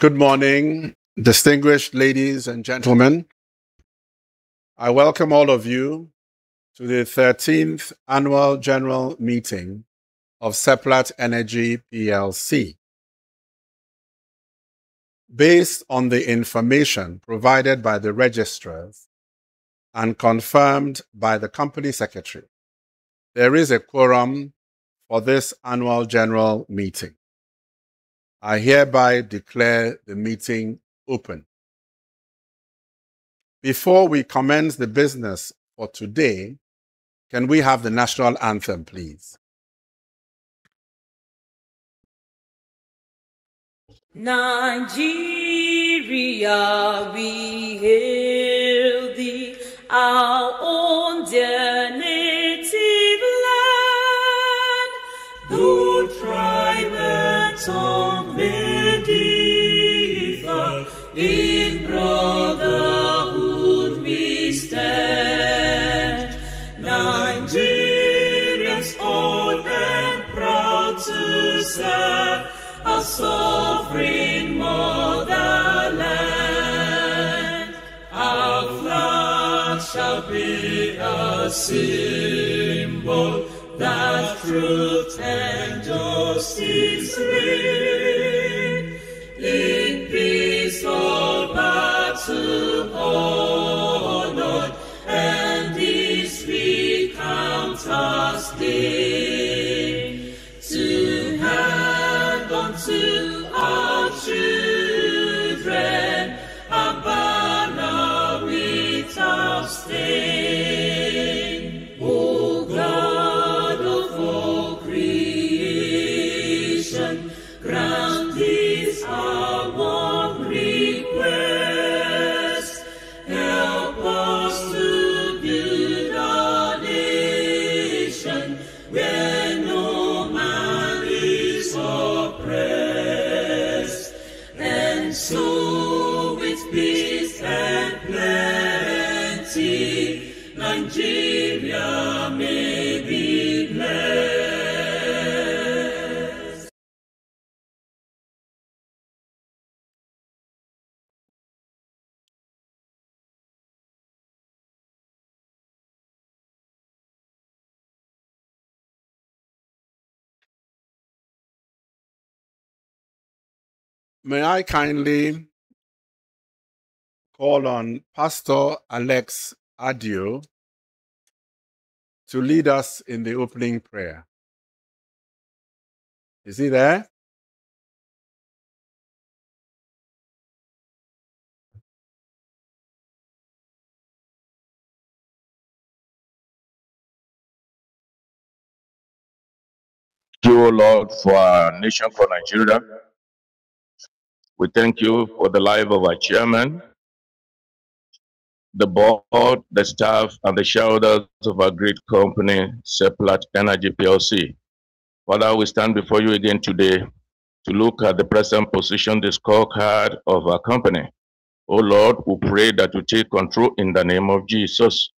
Good morning, distinguished ladies and gentlemen. I welcome all of you to the 13th Annual General Meeting of Seplat Energy Plc. Based on the information provided by the registrars and confirmed by the Company Secretary, there is a quorum for this Annual General Meeting. I hereby declare the meeting open. Before we commence the business for today, can we have the national anthem, please? Nigeria, we hail thee our own dear native land. Though tribe and tongue may differ, in brotherhood we stand. Nigerians old and proud to serve our sovereign Motherland. Our flag shall be a symbol that truth and justice reign. In peace or battle honored and this we count as gain. To hand on to our children a banner without stain. O God of all creation, grant this our one request. Help us to build a nation where no man is oppressed. And so, with peace and plenty, Nigeria may be blessed. May I kindly call on Pastor Alex Adio to lead us in the opening prayer. Is he there? Thank you, oh Lord, for our nation, for Nigeria. We thank you for the life of our Chairman, the Board, the staff, and the shareholders of our great company, Seplat Energy Plc. Father, we stand before you again today to look at the present position, the scorecard of our company. Oh Lord, we pray that you take control in the name of Jesus.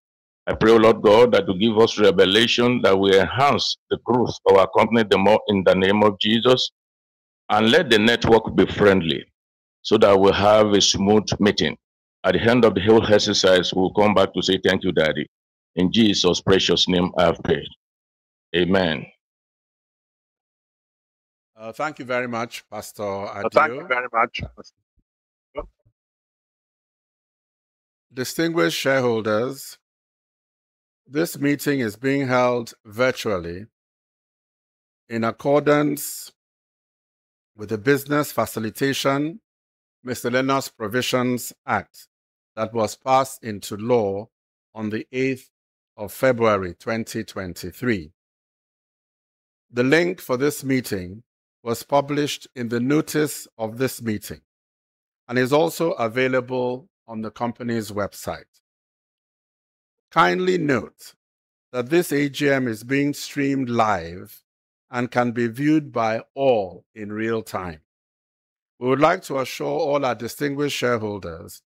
I pray, oh Lord God, that you give us revelation that will enhance the growth of our company the more in the name of Jesus. And let the network be friendly so that we'll have a smooth meeting. At the end of the whole exercise, we'll come back to say, "Thank you, Daddy." In Jesus' precious name I have prayed. Amen. Thank you very much, Pastor Adio. Thank you very much. Distinguished shareholders, this meeting is being held virtually in accordance with the Business Facilitation (Miscellaneous Provisions) Act that was passed into law on the 8th of February 2023. The link for this meeting was published in the notice of this meeting and is also available on the company's website. Kindly note that this AGM is being streamed live and can be viewed by all in real time. We would like to assure all our distinguished shareholders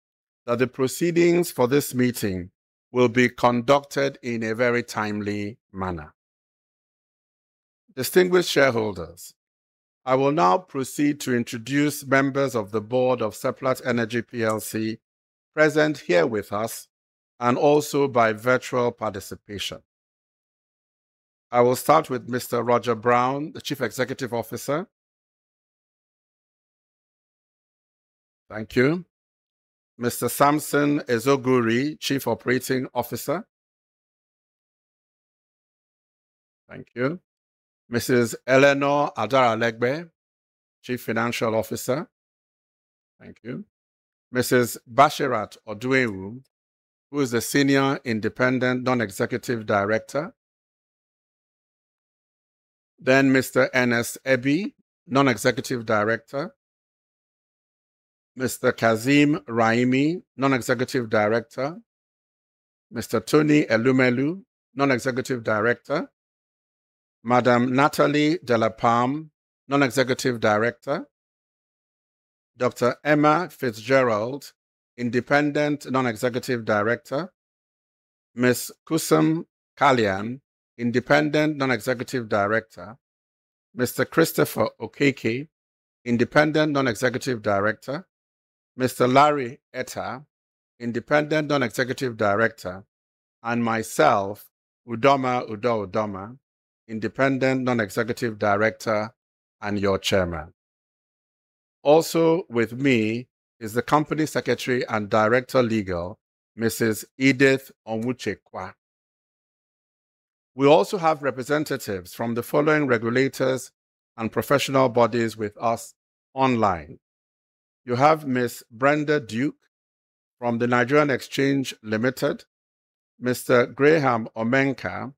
that the proceedings for this meeting will be conducted in a very timely manner. Distinguished shareholders, I will now proceed to introduce members of the Board of Seplat Energy Plc present here with us and also by virtual participation. I will start with Mr. Roger Brown, the Chief Executive Officer. Thank you. Mr. Samson Ezugworie, Chief Operating Officer. Thank you. Mrs. Eleanor Adaralegbe, Chief Financial Officer. Thank you. Mrs. Bashirat Odunewu, who is a Senior Independent Non-Executive Director. Mr. Ernest Ebi, Non-Executive Director. Mr. Kazeem Raimi, Non-Executive Director. Mr. Tony Elumelu, Non-Executive Director. Madam Nathalie Delapalme, Non-Executive Director. Dr. Emma FitzGerald, Independent Non-Executive Director. Ms. Koosum Kalyan, Independent Non-Executive Director. Mr. Christopher Okeke, Independent Non-Executive Director. Mr. Larry Ettah, Independent Non-Executive Director, and myself, Udoma Udo Udoma, Independent Non-Executive Director and your Chairman. Also with me is the Company Secretary and Director, Legal, Mrs. Edith Onwuchekwa. We also have representatives from the following regulators and professional bodies with us online. You have Ms. Brenda Duke from the Nigerian Exchange Limited. Mr. Graham Omenka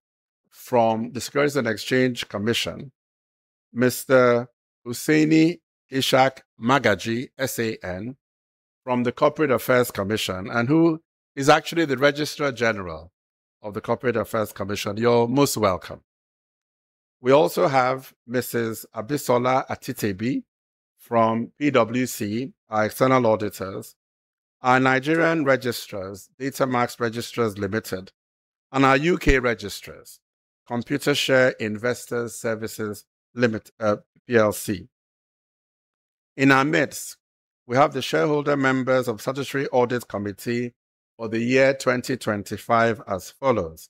from the Securities and Exchange Commission. Mr. Hussaini Ishaq Magaji SAN from the Corporate Affairs Commission, and who is actually the Registrar General of the Corporate Affairs Commission. You are most welcome. We also have Mrs. Abisola Atitebi from PwC, our external auditors, our Nigerian registrars, DataMax Registrars Limited, and our U.K. registrars, Computershare Investor Services PLC. In our midst, we have the shareholder members of Statutory Audit Committee for the year 2025 as follows.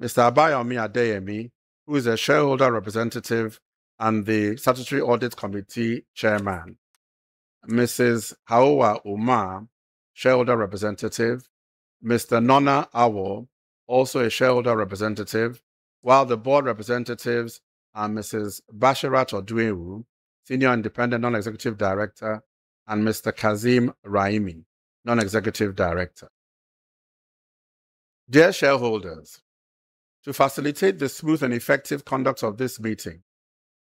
Mr. Abayomi Adeyemi, who is a shareholder representative and the Statutory Audit Committee Chairman. Mrs. Hauwa Umar, shareholder representative. Mr. Nornah Awoh, also a shareholder representative. The Board representatives are Mrs. Bashirat Odunewu, Senior Independent Non-Executive Director, and Mr. Kazeem Raimi, Non-Executive Director. Dear shareholders, to facilitate the smooth and effective conduct of this meeting,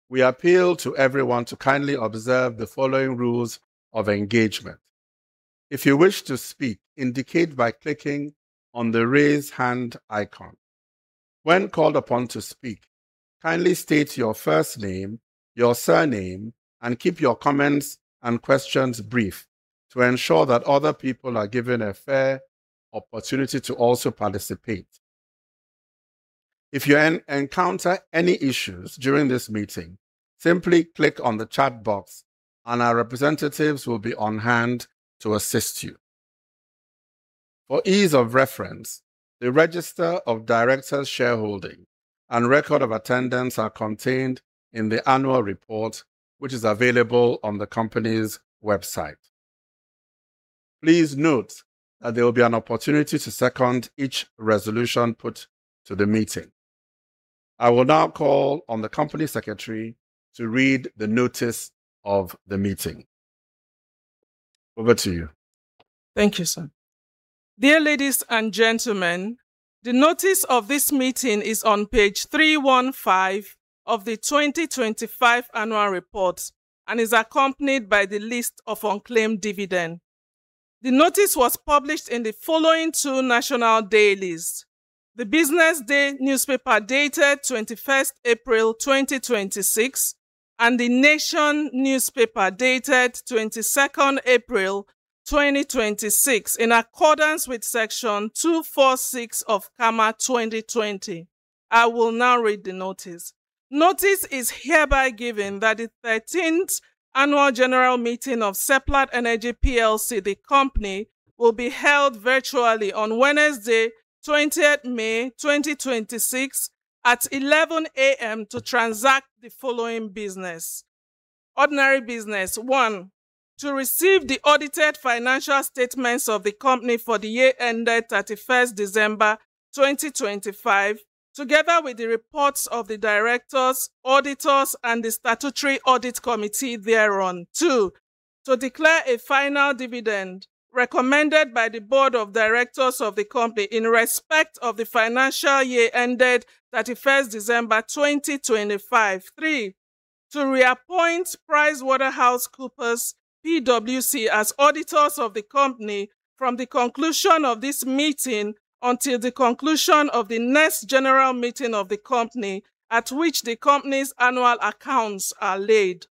we appeal to everyone to kindly observe the following rules of engagement. If you wish to speak, indicate by clicking on the raise hand icon. When called upon to speak, kindly state your first name, your surname, and keep your comments and questions brief to ensure that other people are given a fair opportunity to also participate. If you encounter any issues during this meeting, simply click on the chat box and our representatives will be on hand to assist you. For ease of reference, the register of directors' shareholding and record of attendance are contained in the Annual Report, which is available on the company's website. Please note that there will be an opportunity to second each resolution put to the meeting. I will now call on the Company Secretary to read the notice of the meeting. Over to you. Thank you, sir. Dear ladies and gentlemen, the notice of this meeting is on page 315 of the 2025 Annual Report and is accompanied by the list of unclaimed dividend. The notice was published in the following two national dailies: the BusinessDay newspaper dated 21st April 2026, and The Nation newspaper dated 22nd April 2026, in accordance with Section 246 of CAMA 2020. I will now read the notice. Notice is hereby given that the 13th Annual General Meeting of Seplat Energy Plc, the company, will be held virtually on Wednesday, 20th May 2026 at 11:00 A.M. to transact the following business. Ordinary business. One, to receive the Audited Financial Statements of the company for the year ended 31st December 2025, together with the Reports of the Directors, Auditors, and the Statutory Audit Committee thereon. Two, to declare a final dividend recommended by the Board of Directors of the company in respect of the financial year ended 31st December 2025. Three, to reappoint PricewaterhouseCoopers, PwC, as auditors of the company from the conclusion of this meeting until the conclusion of the next general meeting of the company, at which the company's Annual Accounts are laid.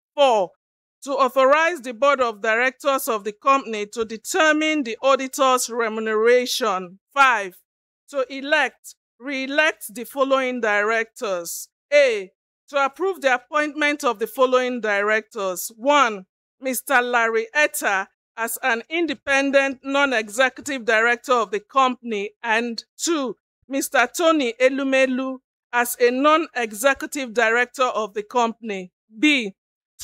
Four, to authorize the Board of Directors of the company to determine the auditor's remuneration. Five, to elect, re-elect the following directors. A, to approve the appointment of the following directors. One, Mr. Larry Ettah as an Independent Non-Executive Director of the company, and two, Mr. Tony Elumelu as a Non-Executive Director of the company. B,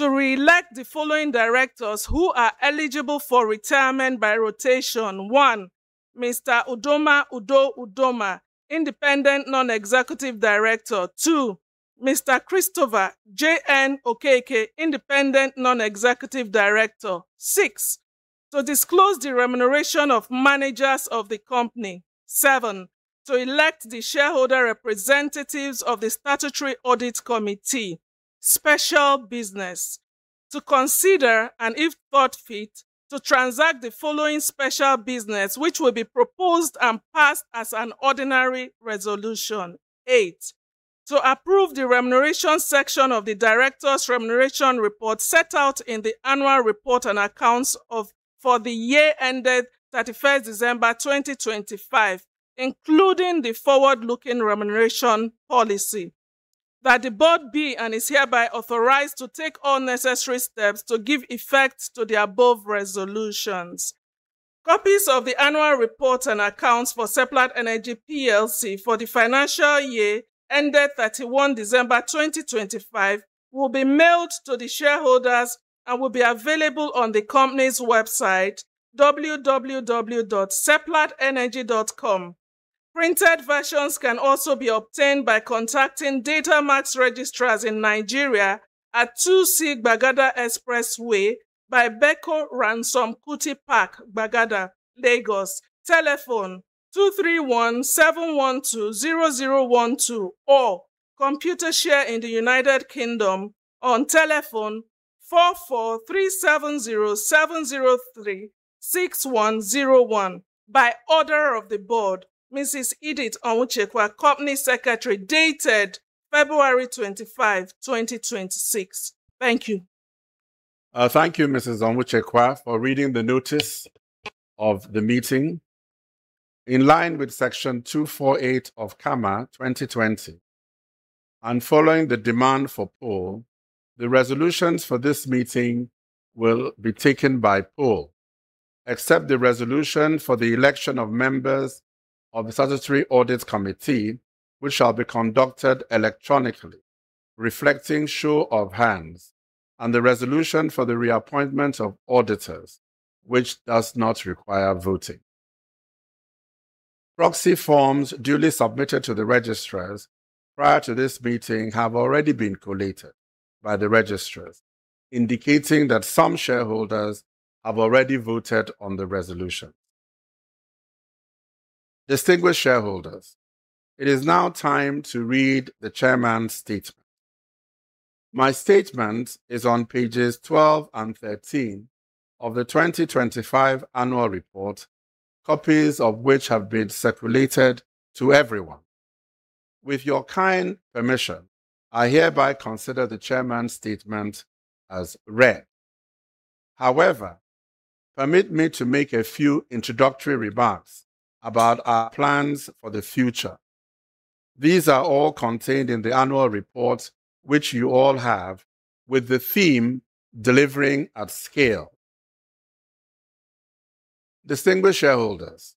to re-elect the following directors who are eligible for retirement by rotation. One, Mr. Udoma Udo Udoma, Independent Non-Executive Director. Two, Mr. Christopher J.N. Okeke, Independent Non-Executive Director. Six, to disclose the remuneration of managers of the company. Seven, to elect the shareholder representatives of the Statutory Audit Committee. Special business. To consider, and if thought fit, to transact the following special business, which will be proposed and passed as an ordinary resolution. Eight, to approve the Remuneration section of the Directors’ Remuneration Report set out in the Annual Report and Accounts for the year ended 31st December 2025, including the forward-looking Remuneration Policy. That the Board be and is hereby authorized to take all necessary steps to give effect to the above resolutions. Copies of the Annual Report and Accounts for Seplat Energy Plc for the financial year ended 31 December 2025 will be mailed to the shareholders and will be available on the company's website, www.seplatenergy.com. Printed versions can also be obtained by contacting DataMax Registrars in Nigeria at 2C Gbagada Expressway, by Beko Ransome Kuti Park, Gbagada, Lagos. Telephone: 2317120012 or Computershare in the United Kingdom on telephone 443707036101. By order of the Board, Mrs. Edith Onwuchekwa, Company Secretary. Dated February 25, 2026. Thank you. Thank you, Mrs. Onwuchekwa, for reading the notice of the meeting. In line with Section 248 of CAMA 2020, and following the demand for poll, the resolutions for this meeting will be taken by poll, except the resolution for the election of members of the Statutory Audit Committee, which shall be conducted electronically, reflecting show of hands, and the resolution for the reappointment of auditors, which does not require voting. Proxy forms duly submitted to the registrars prior to this meeting have already been collated by the registrars, indicating that some shareholders have already voted on the resolutions. Distinguished shareholders, it is now time to read the Chairman's Statement. My statement is on pages 12 and 13 of the 2025 Annual Report, copies of which have been circulated to everyone. With your kind permission, I hereby consider the Chairman's Statement as read. However, permit me to make a few introductory remarks about our plans for the future. These are all contained in the Annual Report, which you all have, with the theme Delivering at Scale. Distinguished shareholders,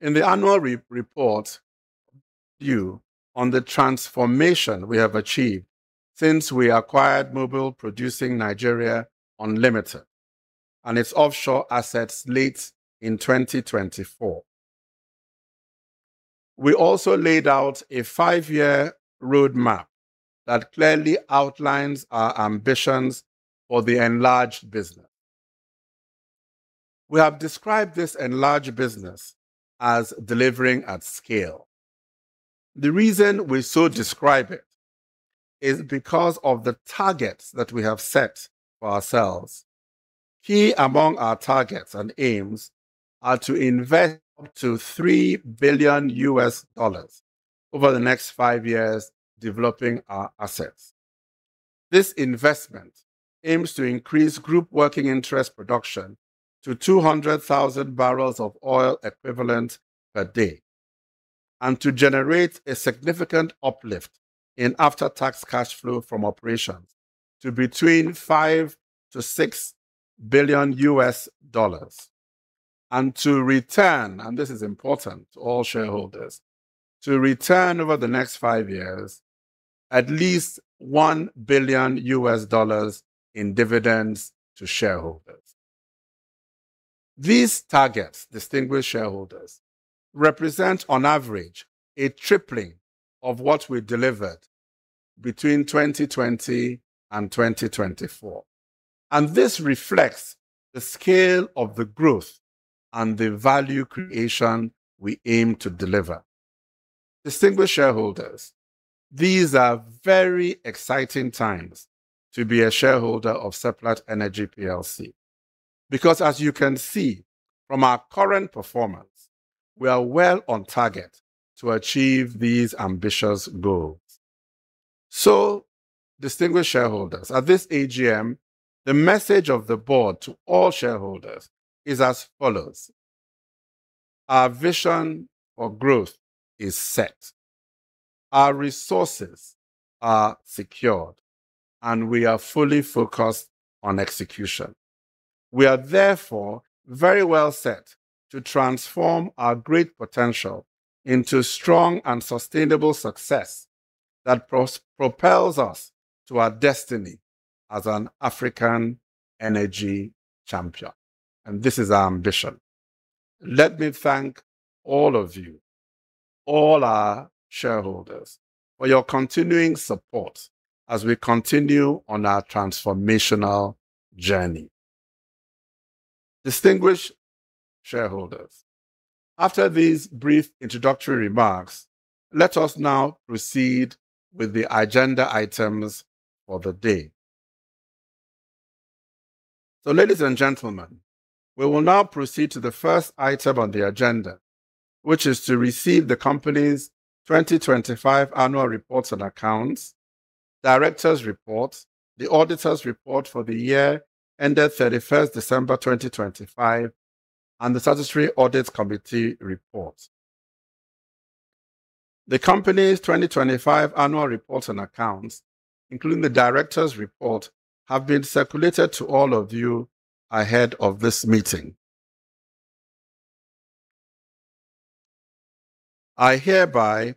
in the Annual Report is a review on the transformation we have achieved since we acquired Mobil Producing Nigeria Unlimited and its offshore assets late in 2024. We also laid out a five-year roadmap that clearly outlines our ambitions for the enlarged business. We have described this enlarged business as delivering at scale. The reason we so describe it is because of the targets that we have set for ourselves. Key among our targets and aims are to invest up to $3 billion over the next five years developing our assets. This investment aims to increase group working interest production to 200,000 boe/d, and to generate a significant uplift in after-tax cash flow from operations to between $5 billion-$6 billion, and to return, and this is important to all shareholders, to return over the next five years, at least $1 billion in dividends to shareholders. These targets, distinguished shareholders, represent on average a tripling of what we delivered between 2020 and 2024, and this reflects the scale of the growth and the value creation we aim to deliver. Distinguished shareholders, these are very exciting times to be a shareholder of Seplat Energy Plc, because as you can see from our current performance, we are well on target to achieve these ambitious goals. So, distinguished shareholders, at this AGM, the message of the Board to all shareholders is as follows. Our vision for growth is set. Our resources are secured, and we are fully focused on execution. We are therefore very well set to transform our great potential into strong and sustainable success that propels us to our destiny as an African energy champion, and this is our ambition. Let me thank all of you, all our shareholders, for your continuing support as we continue on our transformational journey. Distinguished shareholders, after these brief introductory remarks, let us now proceed with the agenda items for the day. Ladies and gentlemen, we will now proceed to the first item on the agenda, which is to receive the company's 2025 Annual Reports and Accounts, Directors' Report, the Auditors' Report for the year ended 31st December 2025, and the Statutory Audit Committee Report. The company's 2025 Annual Report and Accounts, including the Directors' Report, have been circulated to all of you ahead of this meeting. I hereby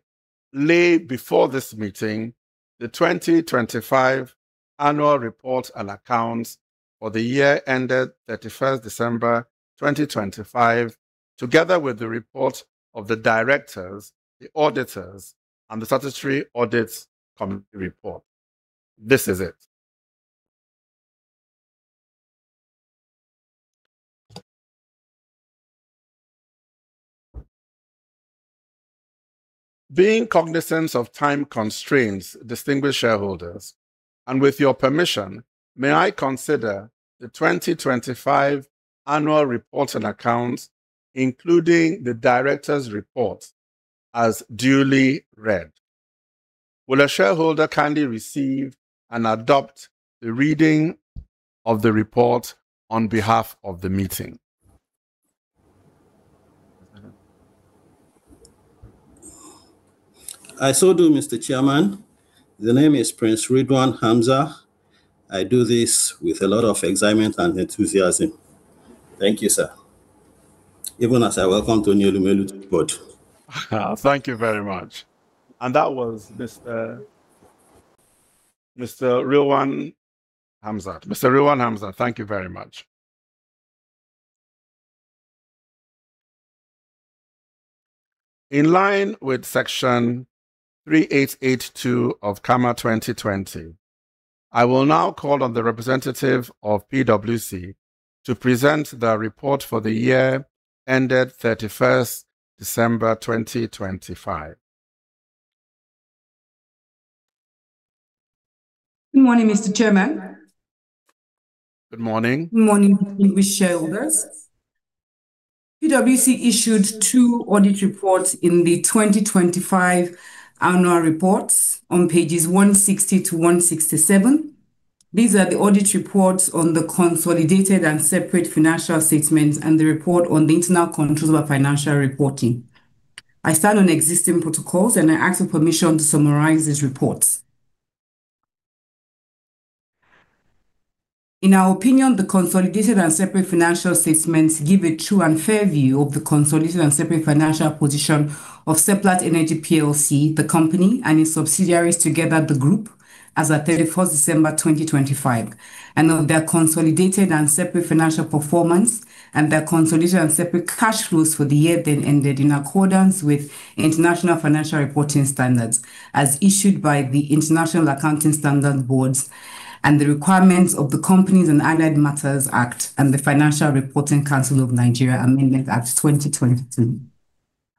lay before this meeting the 2025 Annual Report and Accounts for the year ended 31st December 2025, together with the report of the directors, the auditors, and the Statutory Audit Committee Report. This is it. Being cognizant of time constraints, distinguished shareholders, and with your permission, may I consider the 2025 Annual Report and Accounts, including the Directors' Report, as duly read. Will a shareholder kindly receive and adopt the reading of the report on behalf of the meeting? I so do, Mr. Chairman. The name is Prince Ridhwan Hamza. I do this with a lot of excitement and enthusiasm. Thank you, sir. Even as I welcome Tony Elumelu to the Board. Thank you very much. And that was Mr. Ridhwan Hamza. Mr. Ridhwan Hamza, thank you very much. In line with Section 3882 of CAMA 2020, I will now call on the representative of PwC to present their report for the year ended 31st December 2025. Good morning, Mr. Chairman. Good morning. Good morning, distinguished shareholders. PwC issued two audit reports in the 2025 Annual Reports on pages 160-167. These are the audit Reports on the consolidated and separate financial statements and the report on the Internal Control over Financial Reporting. I stand on existing protocols, and I ask for permission to summarize these reports. In our opinion, the consolidated and separate financial statements give a true and fair view of the consolidated and separate financial position of Seplat Energy Plc, the company, and its subsidiaries together, the group, as at 31st December 2025, and of their consolidated and separate financial performance and their consolidation and separate cash flows for the year then ended in accordance with International Financial Reporting Standards, as issued by the International Accounting Standards Board and the requirements of the Companies and Allied Matters Act and the Financial Reporting Council of Nigeria (Amendment) Act 2023.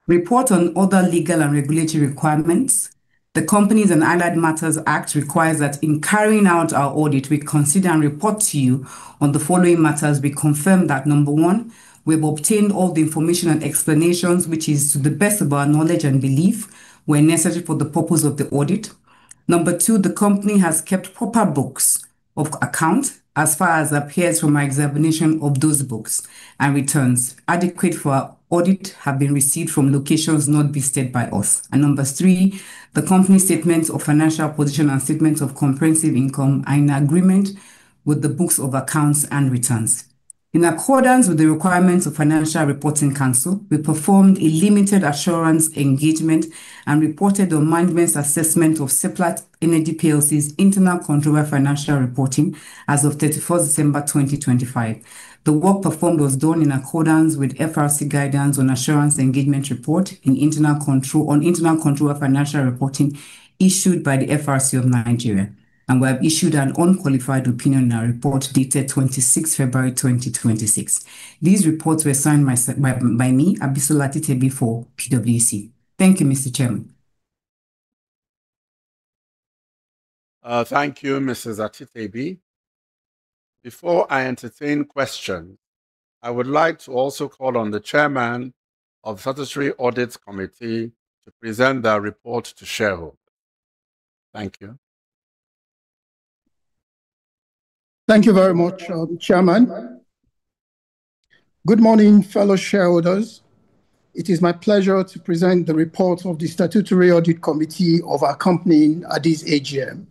Report on other legal and regulatory requirements. The Companies and Allied Matters Act requires that in carrying out our audit, we consider and report to you on the following matters. We confirm that, number one, we have obtained all the information and explanations, which is to the best of our knowledge and belief, were necessary for the purpose of the audit. Number two, the company has kept proper books of accounts, as far as appears from our examination of those books and returns adequate for our audit have been received from locations not visited by us. Number three, the company's statement of financial position and statement of comprehensive income are in agreement with the books of accounts and returns. In accordance with the requirements of Financial Reporting Council, we performed a limited assurance engagement and reported on management's assessment of Seplat Energy Plc's Internal Control over Financial Reporting as of 31st December 2025. The work performed was done in accordance with FRC guidance on assurance engagement report on Internal Control over Financial Reporting issued by the FRC of Nigeria. We have issued an unqualified opinion in our report dated 26th February 2026. These reports were signed by me, Abisola Atitebi, for PwC. Thank you, Mr. Chairman. Thank you, Mrs. Atitebi. Before I entertain questions, I would like to also call on the Chairman of Statutory Audit Committee to present their report to shareholders. Thank you. Thank you very much, Chairman. Good morning, fellow shareholders. It is my pleasure to present the report of the Statutory Audit Committee of our company at this AGM.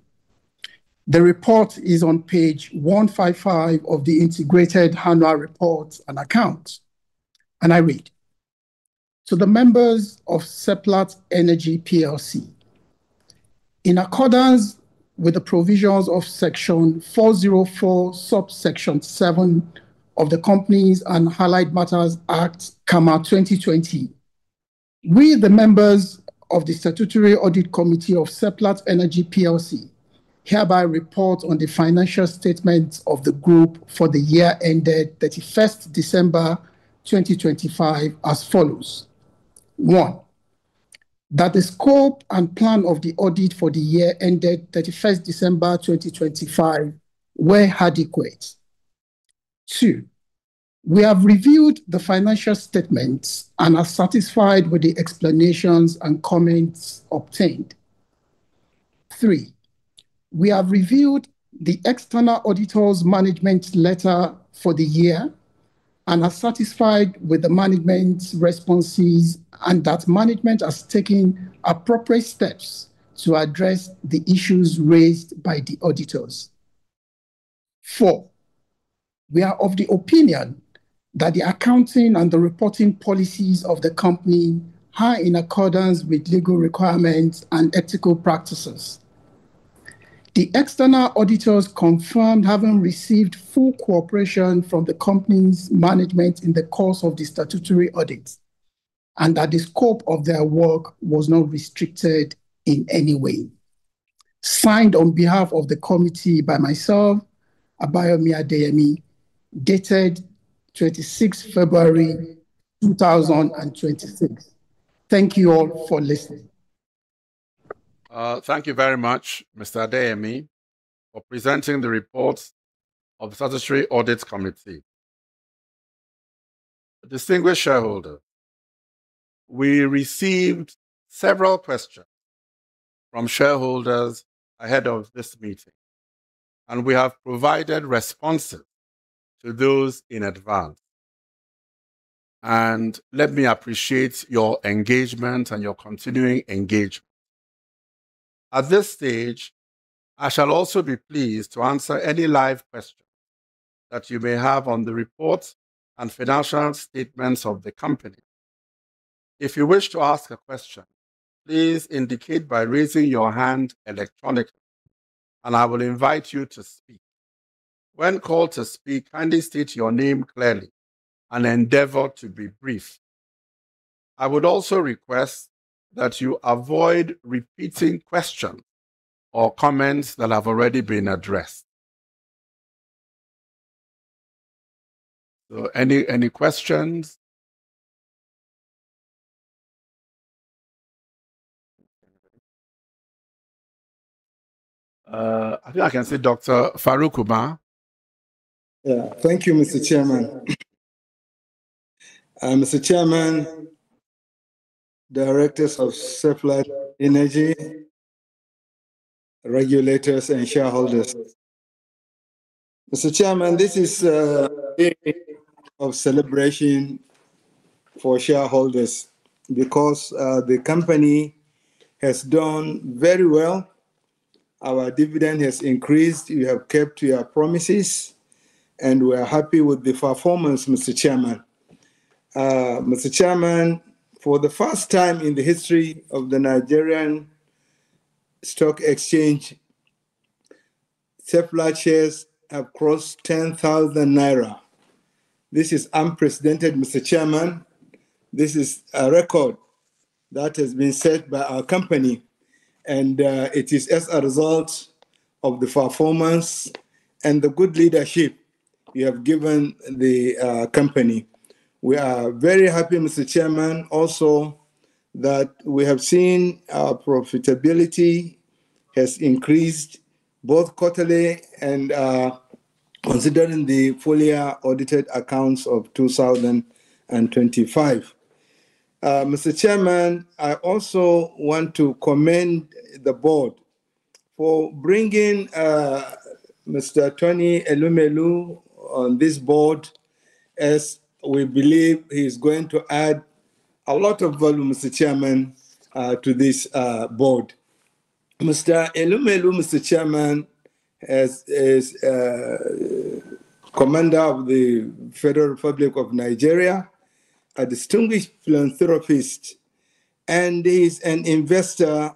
The report is on page 155 of the integrated Annual Report and Accounts, and I read. To the members of Seplat Energy Plc, in accordance with the provisions of Section 404, Subsection 7 of the Companies and Allied Matters Act, CAMA 2020, we, the members of the Statutory Audit Committee of Seplat Energy Plc, hereby report on the financial statements of the group for the year ended 31st December 2025 as follows. One, that the scope and plan of the audit for the year ended 31st December 2025 were adequate. Two, we have reviewed the financial statements and are satisfied with the explanations and comments obtained. Three, we have reviewed the external auditor's management letter for the year and are satisfied with the management responses and that management has taken appropriate steps to address the issues raised by the auditors. Four, we are of the opinion that the accounting and the reporting policies of the company are in accordance with legal requirements and ethical practices. The external auditors confirmed having received full cooperation from the company's management in the course of the statutory audit, and that the scope of their work was not restricted in any way. Signed on behalf of the committee by myself, Abayomi Adeyemi, dated 26th February 2026. Thank you all for listening. Thank you very much, Mr. Adeyemi, for presenting the report of the Statutory Audit Committee. Distinguished shareholders, we received several questions from shareholders ahead of this meeting, and we have provided responses to those in advance. Let me appreciate your engagement and your continuing engagement. At this stage, I shall also be pleased to answer any live questions that you may have on the report and financial statements of the company. If you wish to ask a question, please indicate by raising your hand electronically, and I will invite you to speak. When called to speak, kindly state your name clearly and endeavor to be brief. I would also request that you avoid repeating questions or comments that have already been addressed. Any questions? I think I can see Dr. Faruk Umar. Thank you, Mr. Chairman. Mr. Chairman, directors of Seplat Energy, regulators, and shareholders. Mr. Chairman, this is a day of celebration for shareholders because the company has done very well. Our dividend has increased. You have kept your promises, and we are happy with the performance, Mr. Chairman. Mr. Chairman, for the first time in the history of the Nigerian Stock Exchange, Seplat shares have crossed 10,000 naira. This is unprecedented, Mr. Chairman. This is a record that has been set by our company, and it is as a result of the performance and the good leadership you have given the company. We are very happy, Mr. Chairman, also that we have seen our profitability has increased both quarterly and considering the full year audited accounts of 2025. Mr. Chairman, I also want to commend the Board for bringing Mr. Tony Elumelu on this Board, as we believe he's going to add a lot of value, Mr. Chairman, to this Board. Mr. Elumelu, Mr. Chairman, is Commander of the Federal Republic of Nigeria, a distinguished philanthropist, and he's an investor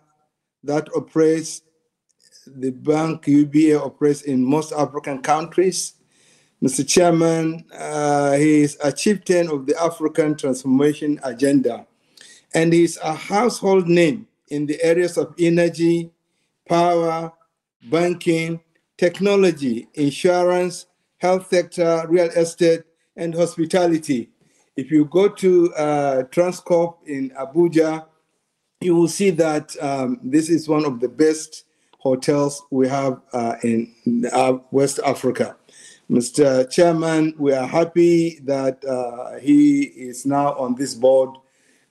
that operates the bank UBA, operates in most African countries. Mr. Chairman, he is a chieftain of the African Transformation Agenda, and he's a household name in the areas of energy, power, banking, technology, insurance, health sector, real estate, and hospitality. If you go to Transcorp in Abuja, you will see that this is one of the best hotels we have in West Africa. Mr. Chairman, we are happy that he is now on this Board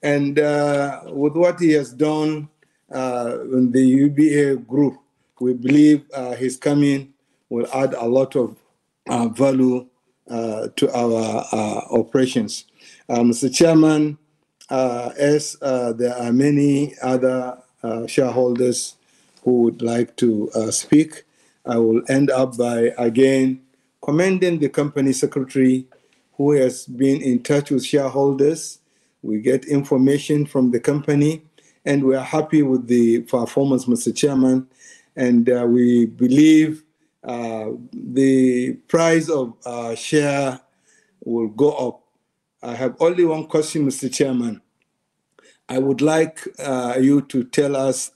and with what he has done in the UBA Group, we believe his coming will add a lot of value to our operations. Mr. Chairman, as there are many other shareholders who would like to speak, I will end up by again commending the Company Secretary who has been in touch with shareholders. We get information from the company, and we are happy with the performance, Mr. Chairman, and we believe the price of our share will go up. I have only one question, Mr. Chairman. I would like you to tell us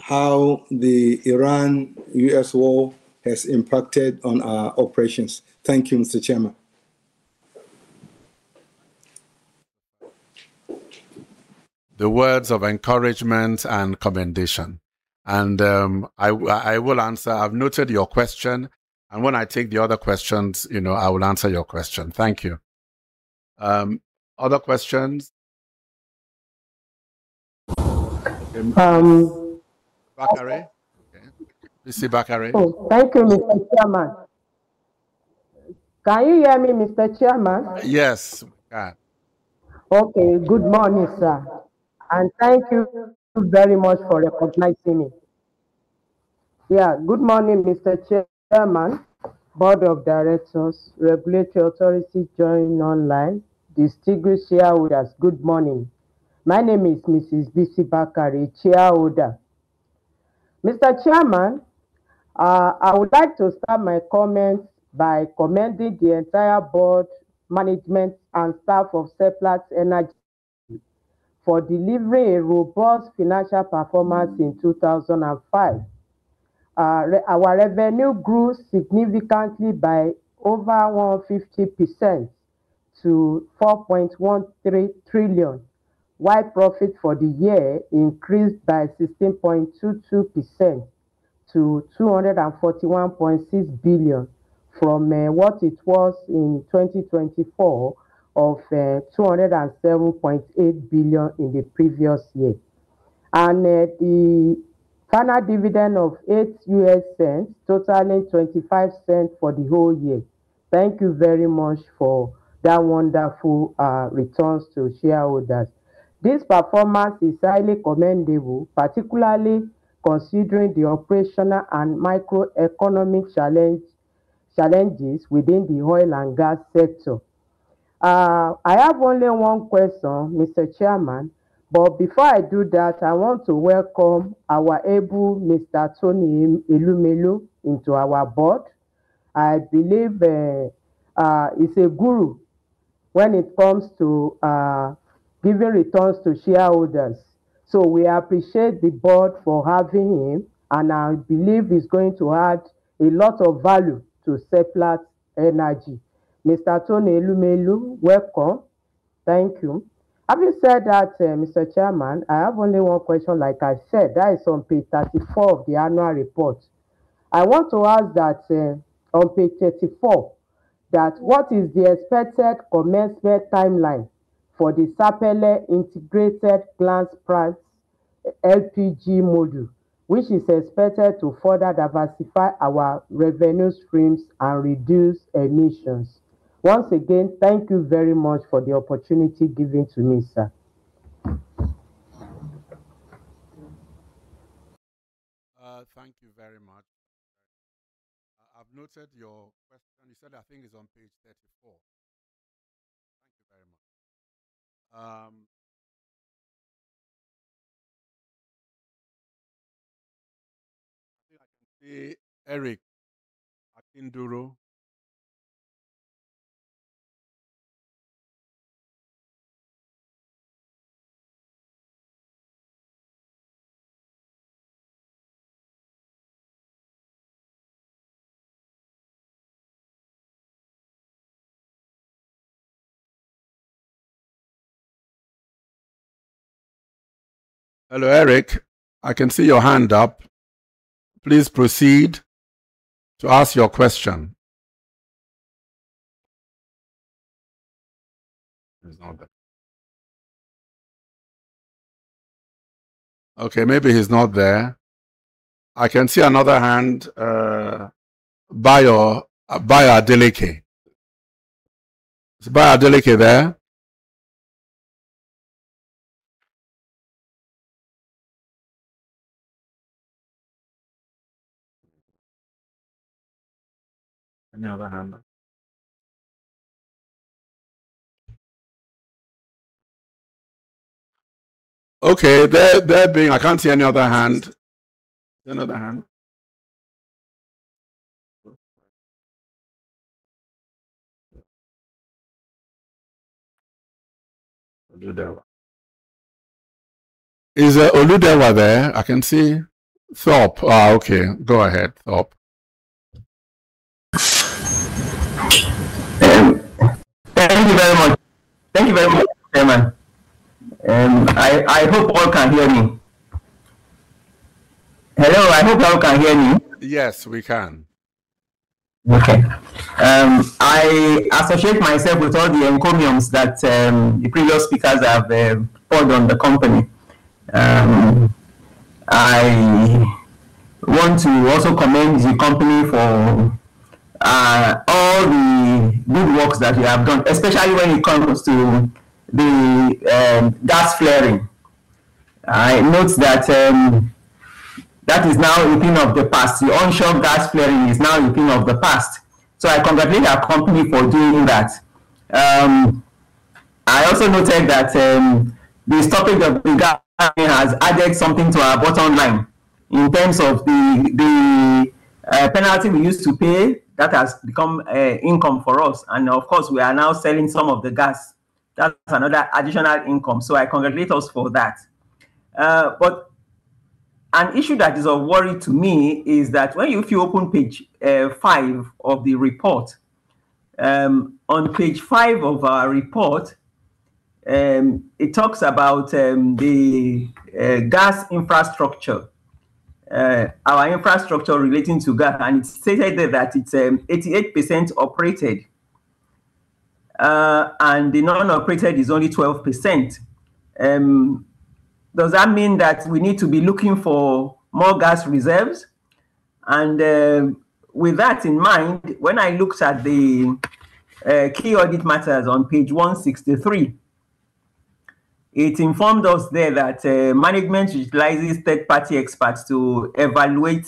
how the Iran-U.S. war has impacted on our operations. Thank you, Mr. Chairman. The words of encouragement and commendation, and I will answer, I've noted your question. When I take the other questions, you know, I will answer your question. Thank you. Other questions? Um. Bakare? Okay. Bisi Bakare. Thank you, Mr. Chairman. Can you hear me, Mr. Chairman? Yes, we can. Okay. Good morning, sir, and thank you very much for recognizing me. Good morning, Mr. Chairman, Board of Directors, regulatory authority joining online, distinguished shareholders, good morning. My name is Mrs. Bisi Bakare, shareholder. Mr. Chairman, I would like to start my comments by commending the entire Board, management, and staff of Seplat Energy for delivering a robust financial performance in 2025. Our revenue grew significantly by over 150% to 4.13 trillion, while profit for the year increased by 16.22% to 241.6 billion from what it was in 2024 of 207.8 billion in the previous year. And the final dividend of $0.08, totaling $0.25 for the whole year, thank you very much for that wonderful returns to shareholders. This performance is highly commendable, particularly considering the operational and macroeconomic challenges within the oil and gas sector. I have only one question, Mr. Chairman. Before I do that, I want to welcome our able Mr. Tony Elumelu into our Board. I believe he's a guru when it comes to giving returns to shareholders. We appreciate the Board for having him. I believe he's going to add a lot of value to Seplat Energy. Mr. Tony Elumelu, welcome. Thank you. Having said that, Mr. Chairman, I have only one question, like I said, that is on page 34 of the Annual Report. I want to ask that, on page 34, that what is the expected commencement timeline for the Sapele Integrated Plant's LPG module, which is expected to further diversify our revenue streams and reduce emissions. Once again, thank you very much for the opportunity given to me, sir. Thank you very much. I've noted your question. You said, I think it's on page 34. Thank you very much. I think I can see Eric Akinduro. Hello, Eric, I can see your hand up. Please proceed to ask your question. He's not there. Okay, maybe he's not there. I can see another hand, Adebayo, Adeleke. Is Adebayo, Adeleke there? Any other hand? Okay, there being I can't see any other hand. Any other hand? Oludewa. Is Oludewa there? I can see Thorpe. Okay, go ahead, Thorpe. Thank you very much. Thank you very much, Chairman. I hope all can hear me. Hello, I hope y'all can hear me. Yes, we can. Okay. I associate myself with all the encomiums that the previous speakers have poured on the company. I want to also commend the company for all the good works that you have done, especially when it comes to the gas flaring. I note that that is now a thing of the past. The onshore gas flaring is now a thing of the past, so I congratulate our company for doing that. I also noted that the stopping of the gas flaring has added something to our bottom line in terms of the penalty we used to pay, that has become income for us. Of course, we are now selling some of the gas. That's another additional income, so I congratulate us for that. But an issue that is of worry to me is that if you open page five of the report, on page five of our report, it talks about the gas infrastructure, our infrastructure relating to gas. It is stated there that it is 88% operated, and the non-operated is only 12%. Does that mean that we need to be looking for more gas reserves? With that in mind, when I looked at the key audit matters on page 163, it informed us there that management utilizes third-party experts to evaluate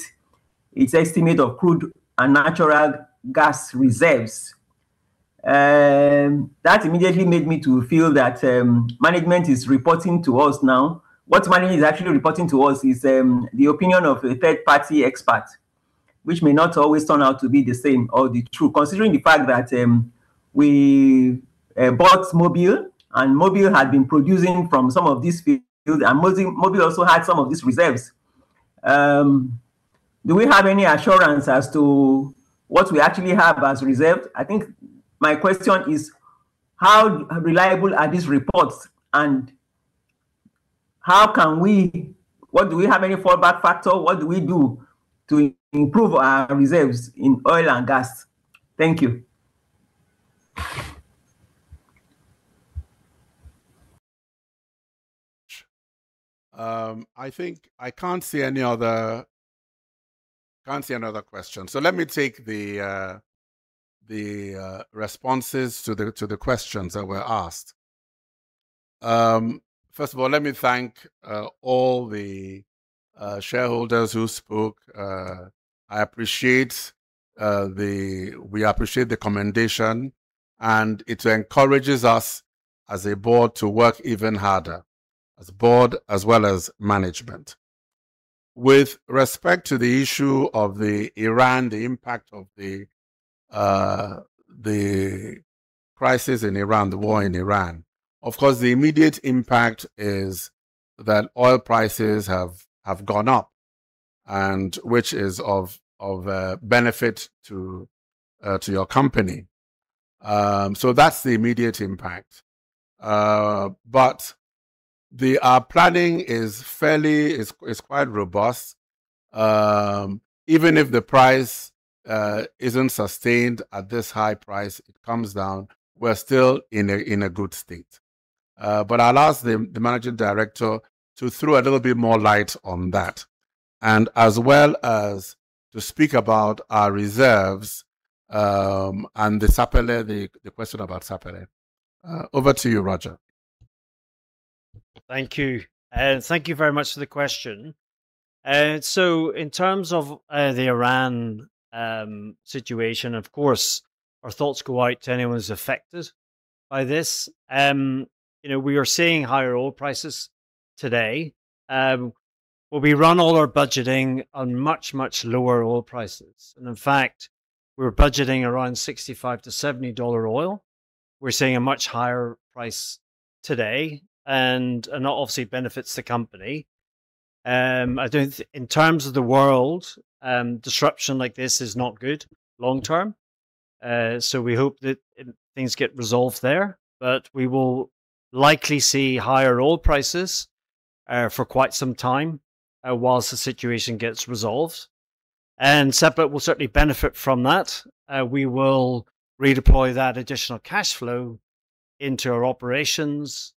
its estimate of crude and natural gas reserves. That immediately made me to feel that management is reporting to us now. What management is actually reporting to us is the opinion of a third-party expert, which may not always turn out to be the same or true. Considering the fact that we bought Mobil, and Mobil had been producing from some of these fields, and Mobil also had some of these reserves. Do we have any assurance as to what we actually have as reserves? I think my question is, how reliable are these reports, and how can we, or do we have any fallback factor? What do we do to improve our reserves in oil and gas? Thank you. I think I can't see any other, can't see another question, so let me take the responses to the questions that were asked. First of all, let me thank all the shareholders who spoke. We appreciate the commendation, and it encourages us as a Board to work even harder, as Board as well as management. With respect to the issue of the Iran, the impact of the crisis in Iran, the war in Iran, of course, the immediate impact is that oil prices have gone up, and which is of benefit to your company. That's the immediate impact. But our planning is fairly, is quite robust. Even if the price isn't sustained at this high price, it comes down, we're still in a good state. I'll ask the Managing Director to throw a little bit more light on that, and as well as to speak about our reserves and the Sapele, the question about Sapele. Over to you, Roger. Thank you. Thank you very much for the question. In terms of the Iran situation, of course, our thoughts go out to anyone who's affected by this. We are seeing higher oil prices today, but we run all our budgeting on much, much lower oil prices. In fact, we're budgeting around $65-$70 oil. We're seeing a much higher price today, and that obviously benefits the company. I don't, in terms of the world, disruption like this is not good long term, so we hope that things get resolved there, but we will likely see higher oil prices for quite some time, whilst the situation gets resolved. And Sapele will certainly benefit from that. We will redeploy that additional cash flow into our operations,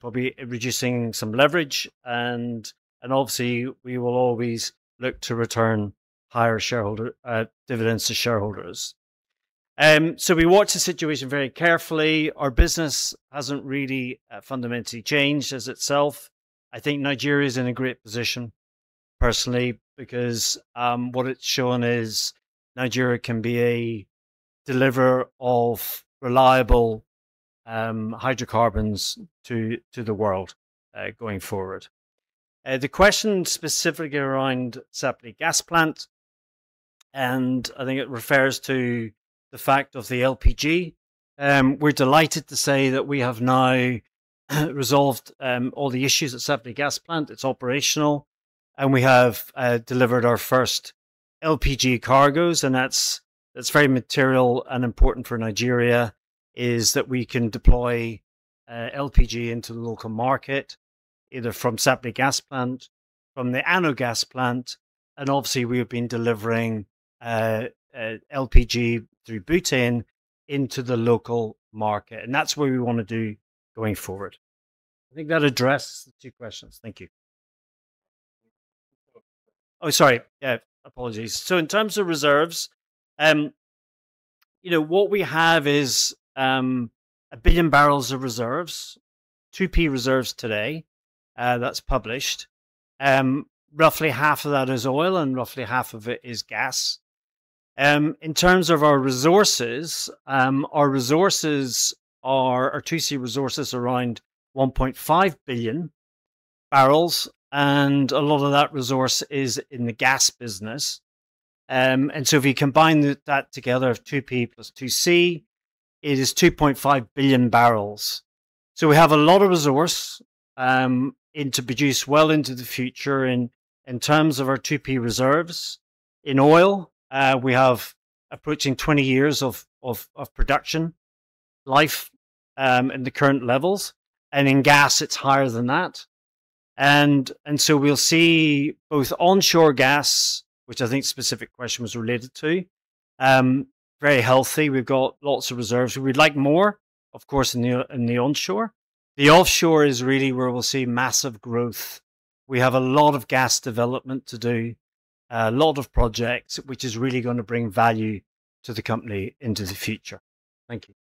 probably reducing some leverage, and obviously, we will always look to return higher dividends to shareholders. So, we watch the situation very carefully. Our business hasn't really fundamentally changed as itself. I think Nigeria is in a great position personally because what it's shown is Nigeria can be a deliverer of reliable hydrocarbons to the world going forward. The question specifically around Sapele Gas Plant, and I think it refers to the fact of the LPG, we're delighted to say that we have now resolved all the issues at Sapele Gas Plant. It's operational, and we have delivered our first LPG cargos, and that's very material and important for Nigeria, is that we can deploy LPG into the local market, either from Sapele Gas Plant, from the ANOH Gas Plant, and obviously, we have been delivering LPG through butane into the local market. That's what we wanna do going forward. I think that addressed the two questions. Thank you. Sorry. Yeah, apologies. In terms of reserves, you know, what we have is 1 billion bbl of reserves, 2P reserves today, that's published. Roughly half of that is oil, and roughly half of it is gas. In terms of our resources, our resources are, our 2C resources are around 1.5 billion bbl, and a lot of that resource is in the gas business. If you combine that together of 2P plus 2C, it is 2.5 billion bbl. We have a lot of resource, and to produce well into the future in terms of our 2P reserves. In oil, we have approaching 20 years of production life in the current levels, and in gas, it's higher than that. We'll see both onshore gas, which I think specific question was related to, very healthy. We've got lots of reserves. We'd like more, of course, in the onshore. The offshore is really where we'll see massive growth. We have a lot of gas development to do, a lot of projects, which is really gonna bring value to the company into the future. Thank you.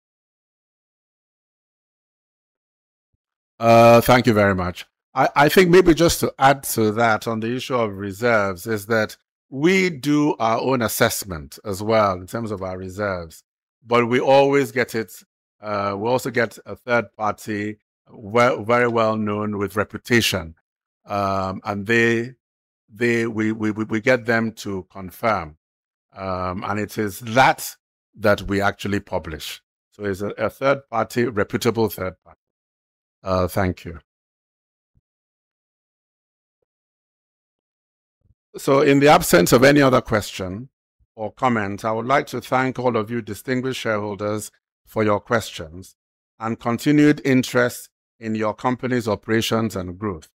Thank you very much. I think maybe just to add to that on the issue of reserves is that we do our own assessment as well in terms of our reserves, but we always get a third party, very well-known with reputation. We get them to confirm. It is that that we actually publish. It's a third party, reputable third party. Thank you. In the absence of any other question or comment, I would like to thank all of you distinguished shareholders for your questions and continued interest in your company's operations and growth.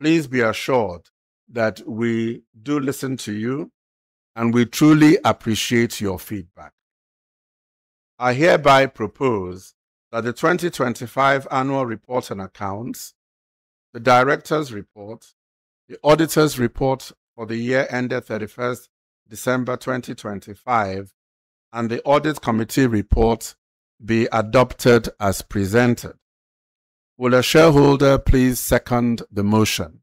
Please be assured that we do listen to you, and we truly appreciate your feedback. I hereby propose that the 2025 Annual Report and Accounts, the Directors' Report, the Auditors' Report for the year ended 31st December 2025, and the Audit Committee Report be adopted as presented. Will a shareholder please second the motion?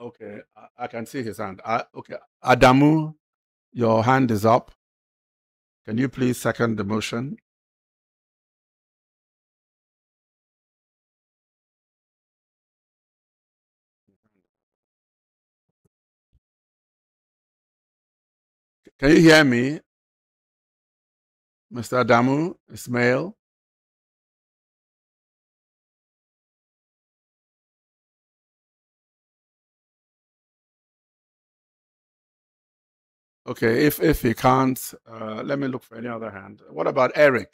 Okay, I can see his hand. Okay, Adamu, your hand is up. Can you please second the motion? Can you hear me, Mr. Adamu Ismail? Okay, if he can't, let me look for any other hand. What about Eric?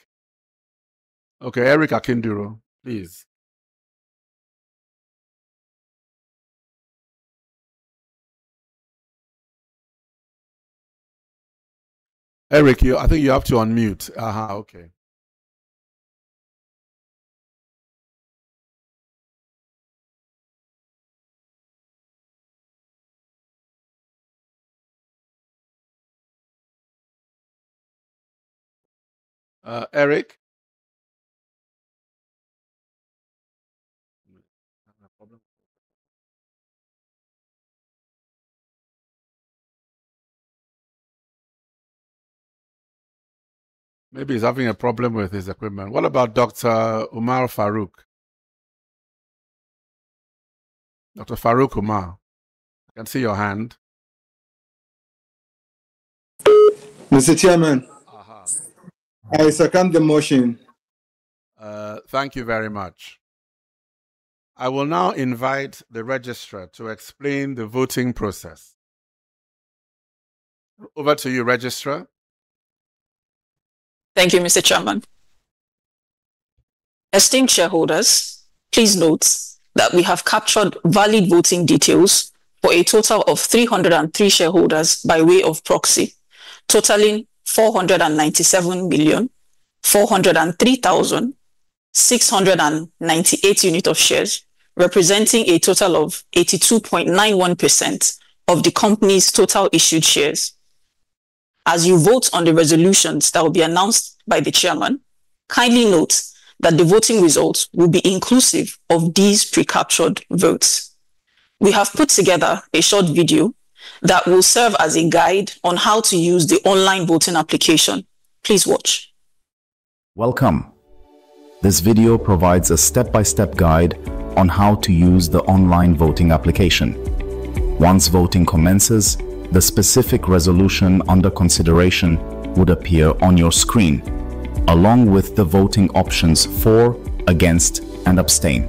Okay, Eric Akinduro, please. Eric, I think you have to unmute. Okay. Eric? Having a problem. Maybe he's having a problem with his equipment. What about Dr. Umar, Faruk? Dr. Faruk Umar, I can see your hand. Mr. Chairman. I second the motion. Thank you very much. I will now invite the registrar to explain the voting process. Over to you, registrar. Thank you, Mr. Chairman. Esteemed shareholders, please note that we have captured valid voting details for a total of 303 shareholders by way of proxy, totaling 497,403,698 unit of shares, representing a total of 82.91% of the company's total issued shares. As you vote on the resolutions that will be announced by the Chairman, kindly note that the voting results will be inclusive of these pre-captured votes. We have put together a short video that will serve as a guide on how to use the online voting application. Please watch. Welcome. This video provides a step-by-step guide on how to use the online voting application. Once voting commences, the specific resolution under consideration would appear on your screen, along with the voting options for, against, and abstain.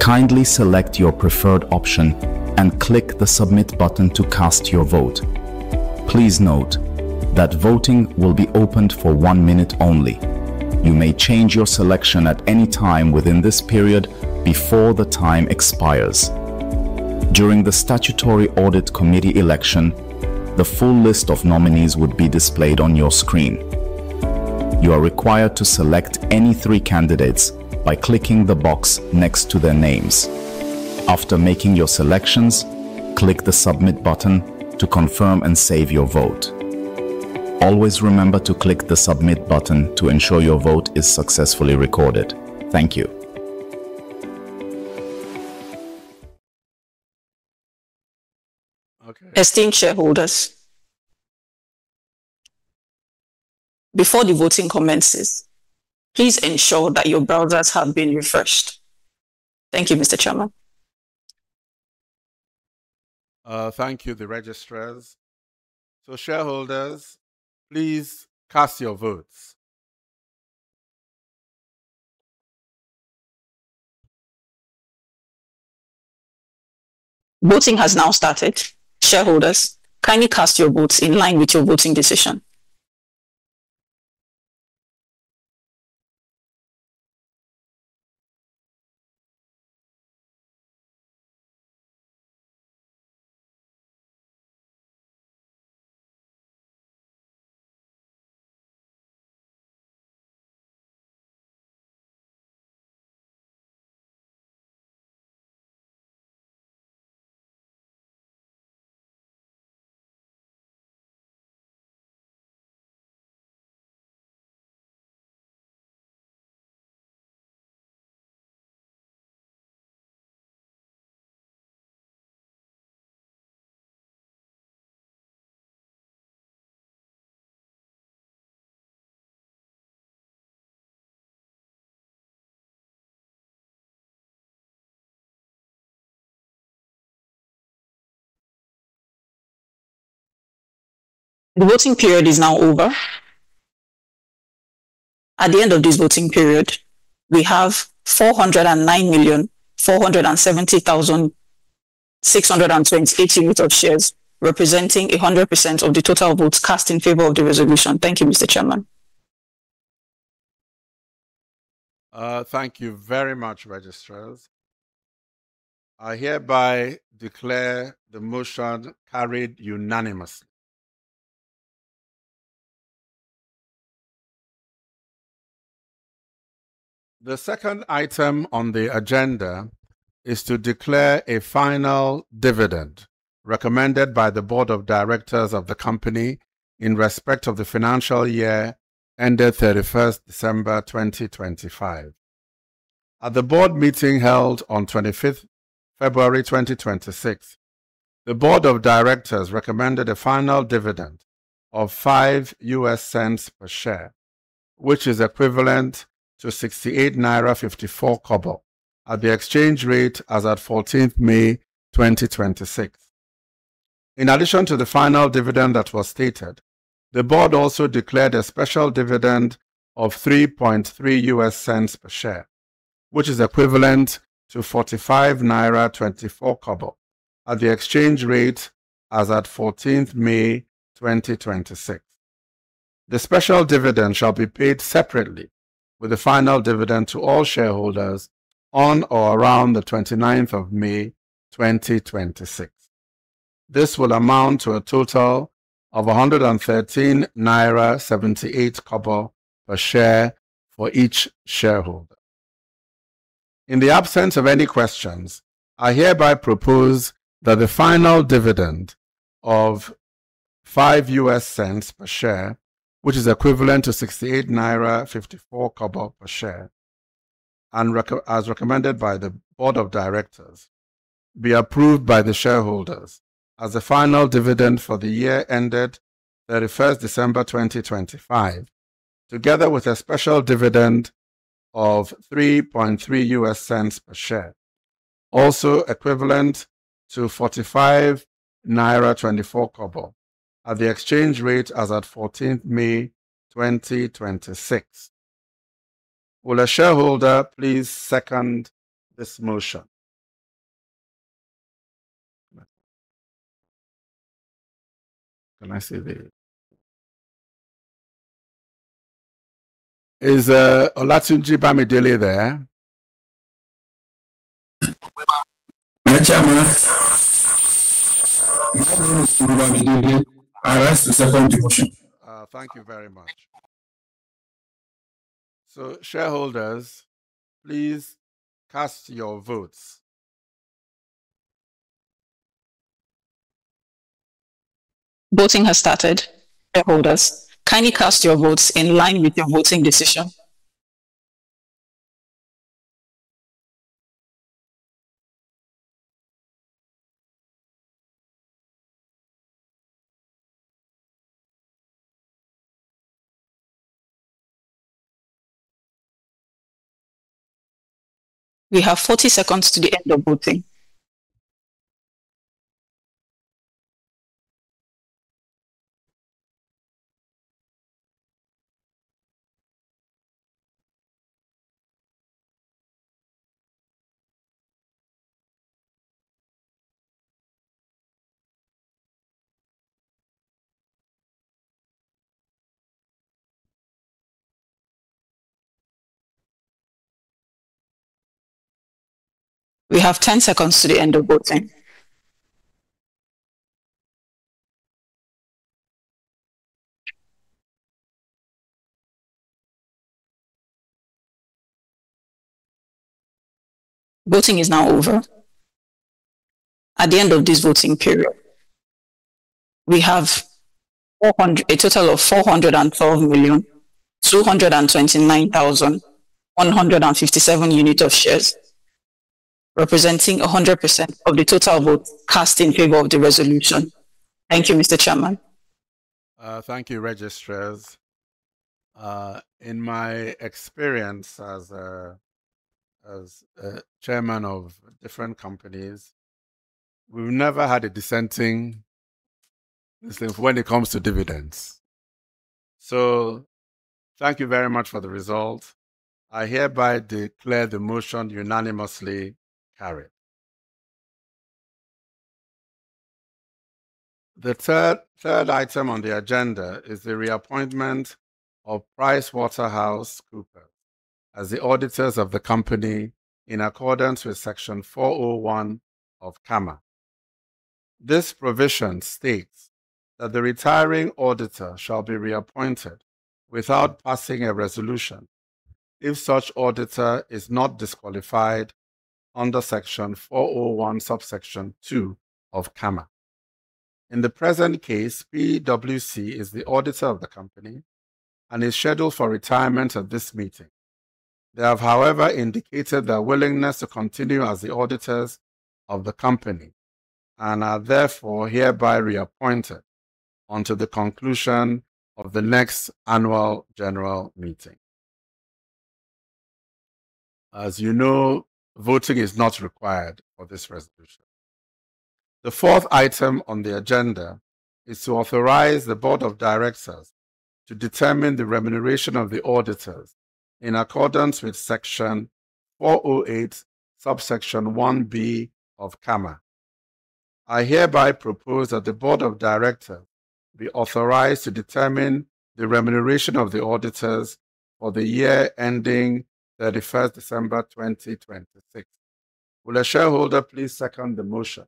Kindly select your preferred option and click the Submit button to cast your vote. Please note that voting will be opened for one minute only. You may change your selection at any time within this period before the time expires. During the Statutory Audit Committee election, the full list of nominees would be displayed on your screen. You are required to select any three candidates by clicking the box next to their names. After making your selections, click the Submit button to confirm and save your vote. Always remember to click the Submit button to ensure your vote is successfully recorded. Thank you. Okay. Esteemed shareholders, before the voting commences, please ensure that your browsers have been refreshed. Thank you, Mr. Chairman. Thank you, the registrars. Shareholders, please cast your votes. Voting has now started. Shareholders, kindly cast your votes in line with your voting decision. The voting period is now over. At the end of this voting period, we have 409,470,628 units of shares, representing 100% of the total votes cast in favor of the resolution. Thank you, Mr. Chairman. Thank you very much, registrars. I hereby declare the motion carried unanimously. The second item on the agenda is to declare a final dividend recommended by the Board of Directors of the company in respect of the financial year ended 31st December 2025. At the Board Meeting held on 25th February 2026, the Board of Directors recommended a final dividend of $0.05 per share, which is equivalent to 68.54 naira at the exchange rate as at 14th May 2026. In addition to the final dividend that was stated, the Board also declared a special dividend of $0.033 per share, which is equivalent to 45.24 naira at the exchange rate as at 14th May 2026. The special dividend shall be paid separately with the final dividend to all shareholders on or around the 29th of May 2026. This will amount to a total of 113.78 naira per share for each shareholder. In the absence of any questions, I hereby propose that the final dividend of $0.05 per share, which is equivalent to 68.54 naira per share, as recommended by the Board of Directors, be approved by the shareholders as the final dividend for the year ended 31st December 2025, together with a special dividend of $0.033 per share, also equivalent to 45.24 naira at the exchange rate as at 14th May 2026. Will a shareholder please second this motion? Can I see the, is Olatunji, Bamidele there? Chairman, my name is Bamidele. I ask to second the motion. Thank you very much. Shareholders, please cast your votes. Voting has started. Shareholders, kindly cast your votes in line with your voting decision. We have 40 seconds to the end of voting. We have 10 seconds to the end of voting. Voting is now over. At the end of this voting period, we have a total of 404,229,157 units of shares, representing 100% of the total vote cast in favor of the resolution. Thank you, Mr. Chairman. Thank you, registrars. In my experience as a chairman of different companies, we've never had a dissenting when it comes to dividends. Thank you very much for the result. I hereby declare the motion unanimously carried. The third item on the agenda is the reappointment of PricewaterhouseCoopers as the auditors of the company in accordance with Section 401 of CAMA. This provision states that the retiring auditor shall be reappointed without passing a resolution if such auditor is not disqualified under Section 401, Subsection 2 of CAMA. In the present case, PwC is the auditor of the company and is scheduled for retirement at this meeting. They have, however, indicated their willingness to continue as the auditors of the company and are therefore hereby reappointed until the conclusion of the next Annual General Meeting. As you know, voting is not required for this resolution. The fourth item on the agenda is to authorize the Board of Directors to determine the remuneration of the auditors in accordance with Section 408, Subsection 1(b) of CAMA. I hereby propose that the Board of Directors be authorized to determine the remuneration of the auditors for the year ending 31st December 2026. Will a shareholder please second the motion?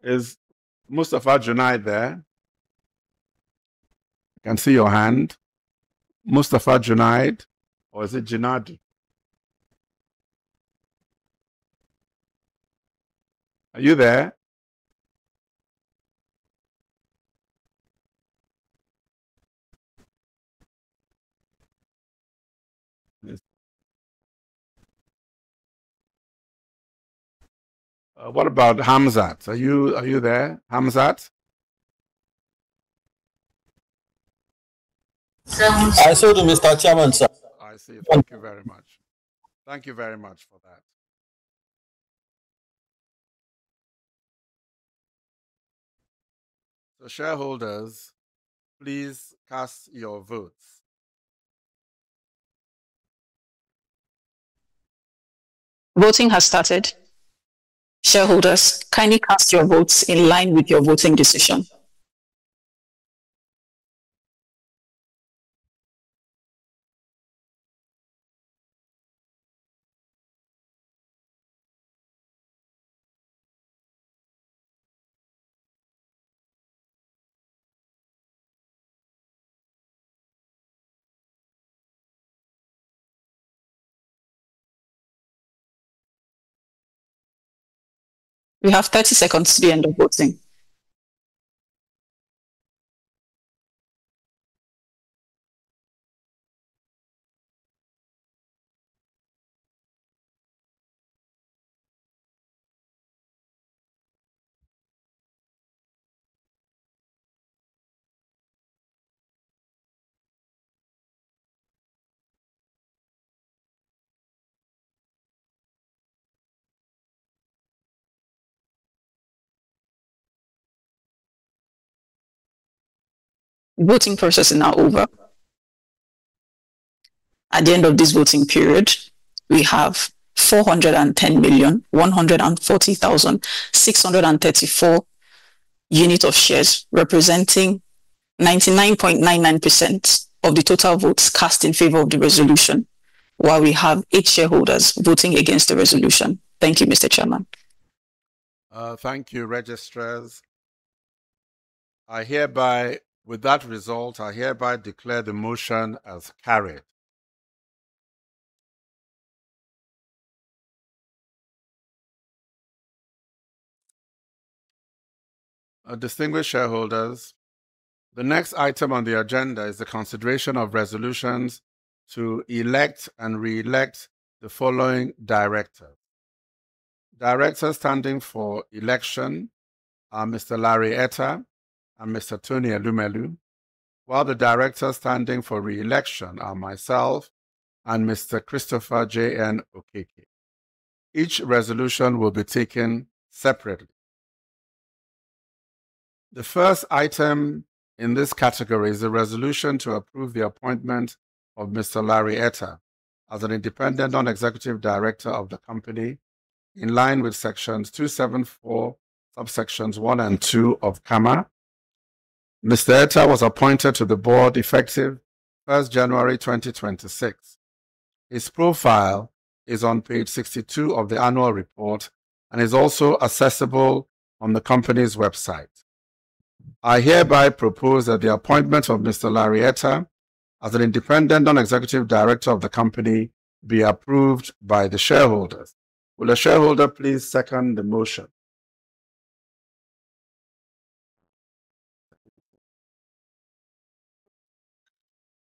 Is [Mustafa, Junaid] there? I can see your hand. [Mustafa, Junaid] or is it [Junabi]? Are you there? What about Hamzat? Are you there, Hamzat? I second the motion, Mr. Chairman, sir. I see you. Thank you very much. Thank you very much for that. Shareholders, please cast your votes. Voting has started. Shareholders, kindly cast your votes in line with your voting decision. We have 30 seconds to the end of voting. Voting process is now over. At the end of this voting period, we have 410,140,634 unit of shares, representing 99.99% of the total votes cast in favor of the resolution, while we have eight shareholders voting against the resolution. Thank you, Mr. Chairman. Thank you, registrars. With that result, I hereby declare the motion as carried. Distinguished shareholders, the next item on the agenda is the consideration of resolutions to elect and re-elect the following directors. Directors standing for election are Mr. Larry Ettah and Mr. Tony Elumelu, while the directors standing for reelection are myself and Mr. Christopher J. N. Okeke. Each resolution will be taken separately. The first item in this category is a resolution to approve the appointment of Mr. Larry Ettah as an Independent Non-Executive Director of the company in line with Sections 274, Subsections 1 and 2 of CAMA. Mr. Ettah was appointed to the Board effective 1st January 2026. His profile is on page 62 of the Annual Report and is also accessible on the company's website. I hereby propose that the appointment of Mr. Larry Ettah as an Independent Non-Executive Director of the company be approved by the shareholders. Will a shareholder please second the motion?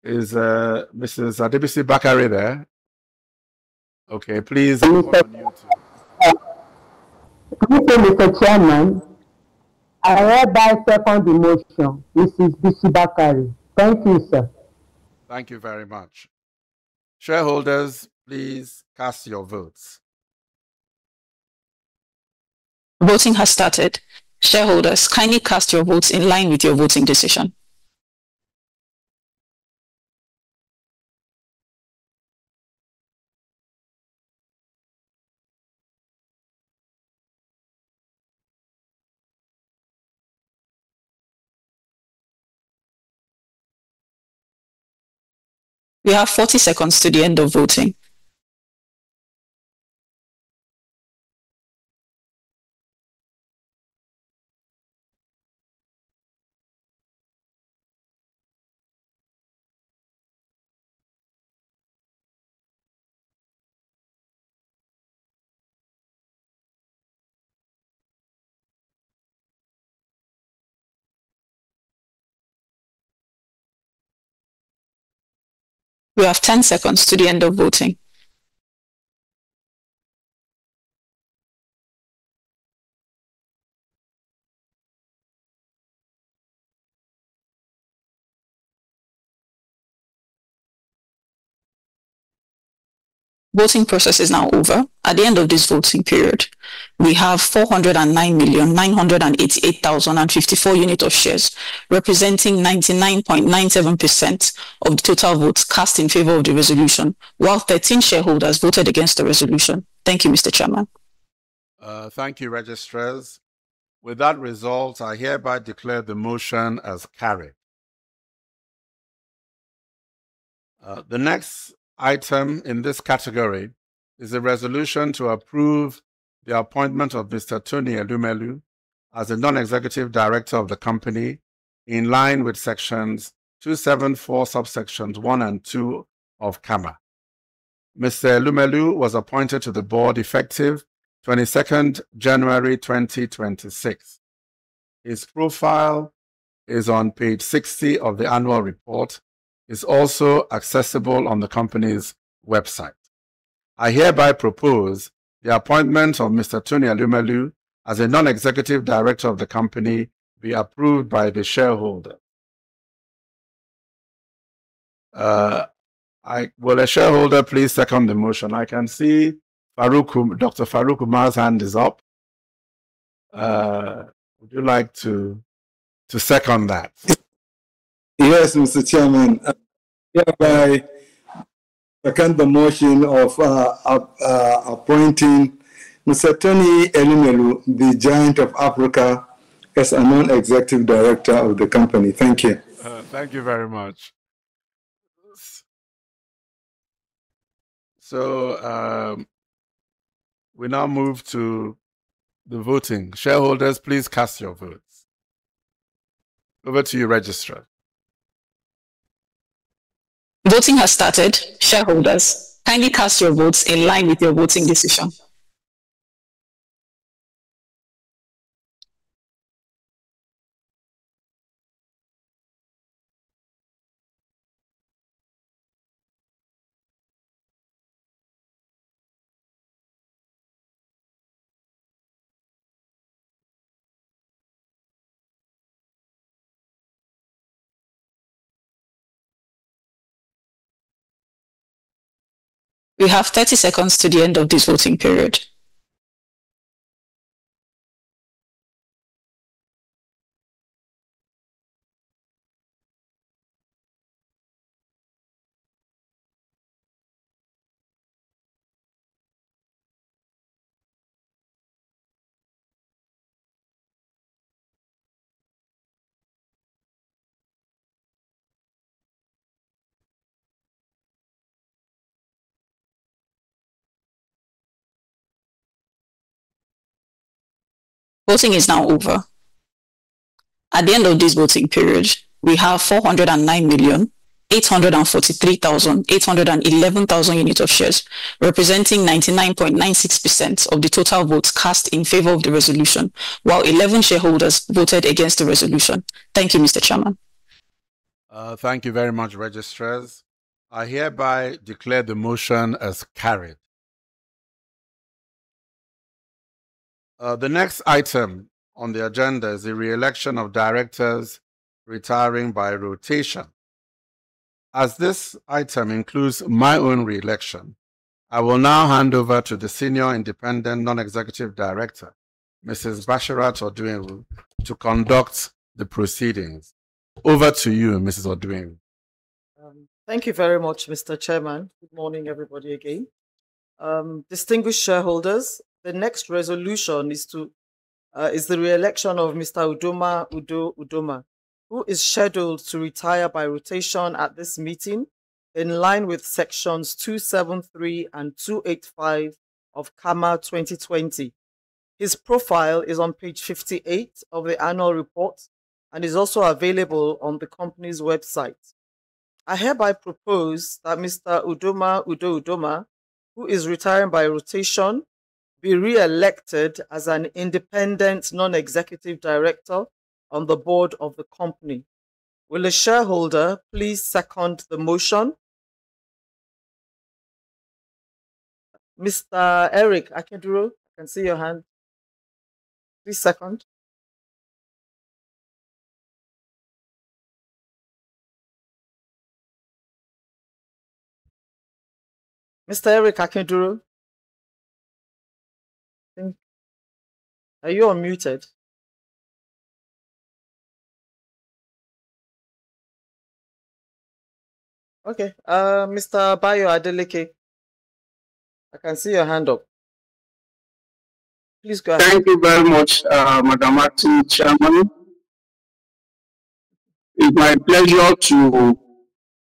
Is Mrs. Adebisi Bakare there? Okay, please. Good morning, sir. Good morning, Mr. Chairman. I hereby second the motion. This is Bisi Bakare. Thank you, sir. Thank you very much. Shareholders, please cast your votes. Voting has started. Shareholders, kindly cast your votes in line with your voting decision. We have 40 seconds to the end of voting. We have 10 seconds to the end of voting. Voting process is now over. At the end of this voting period, we have 409,988,054 unit of shares, representing 99.97% of the total votes cast in favor of the resolution, while 13 shareholders voted against the resolution. Thank you, Mr. Chairman. Thank you, registrars. With that result, I hereby declare the motion as carried. The next item in this category is a resolution to approve the appointment of Mr. Tony Elumelu as a Non-Executive Director of the company in line with Sections 274, Subsections 1 and 2 of CAMA. Mr. Elumelu was appointed to the Board effective 22nd January 2026. His profile is on page 60 of the Annual Report, is also accessible on the company's website. I hereby propose the appointment of Mr. Tony Elumelu as a Non-Executive Director of the company be approved by the shareholder. Will a shareholder please second the motion? I can see Dr. Faruk Umar's hand is up. Would you like to second that? Yes, Mr. Chairman. I hereby second the motion of appointing Mr. Tony Elumelu, the giant of Africa, as a Non-Executive Director of the company. Thank you. Thank you very much. We now move to the voting. Shareholders, please cast your votes. Over to you, registrar. Voting has started. Shareholders, kindly cast your votes in line with your voting decision. We have 30 seconds to the end of this voting period. Voting is now over. At the end of this voting period, we have 409,843,811 units of shares, representing 99.96% of the total votes cast in favor of the resolution, while 11 shareholders voted against the resolution. Thank you, Mr. Chairman. Thank you very much, registrars. I hereby declare the motion as carried. The next item on the agenda is the reelection of directors retiring by rotation. As this item includes my own reelection, I will now hand over to the Senior Independent Non-Executive Director, Mrs. Bashirat Odunewu, to conduct the proceedings. Over to you, Mrs. Odunewu. Thank you very much, Mr. Chairman. Good morning, everybody, again. Distinguished shareholders, the next resolution is to, is the reelection of Mr. Udoma Udo Udoma, who is scheduled to retire by rotation at this meeting in line with Sections 273 and 285 of CAMA 2020. His profile is on page 58 of the Annual Report and is also available on the company's website. I hereby propose that Mr. Udoma Udo Udoma, who is retiring by rotation, be re-elected as an Independent Non-Executive Director on the Board of the company. Will a shareholder please second the motion? Mr. Eric Akinduro, I can see your hand. Please second. Mr. Eric Akinduro? Are you unmuted? Okay, Mr. Adebayo, Adeleke, I can see your hand up. Please go ahead. Thank you very much, Madam Acting Chairman. It's my pleasure to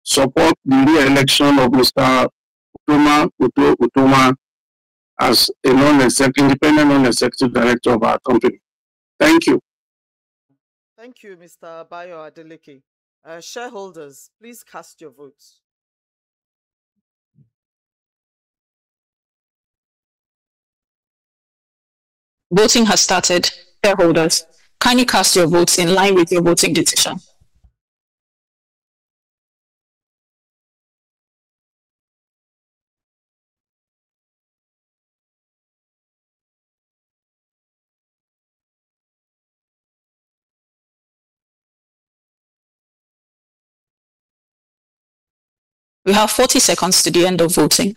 support the reelection of Mr. Udoma Udo Udoma as an Independent Non-Executive Director of our company. Thank you. Thank you, Mr. Adebayo, Adeleke. Shareholders, please cast your votes. Voting has started. Shareholders, kindly cast your votes in line with your voting decision. We have 40 seconds to the end of voting.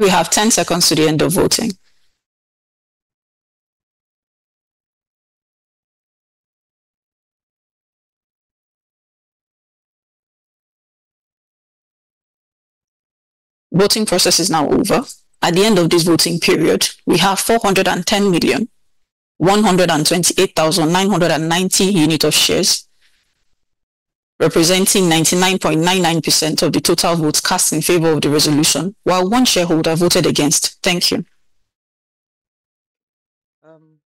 We have 10 seconds to the end of voting. Voting process is now over. At the end of this voting period, we have 410,128,990 unit of shares, representing 99.99% of the total votes cast in favor of the resolution, while one shareholder voted against. Thank you.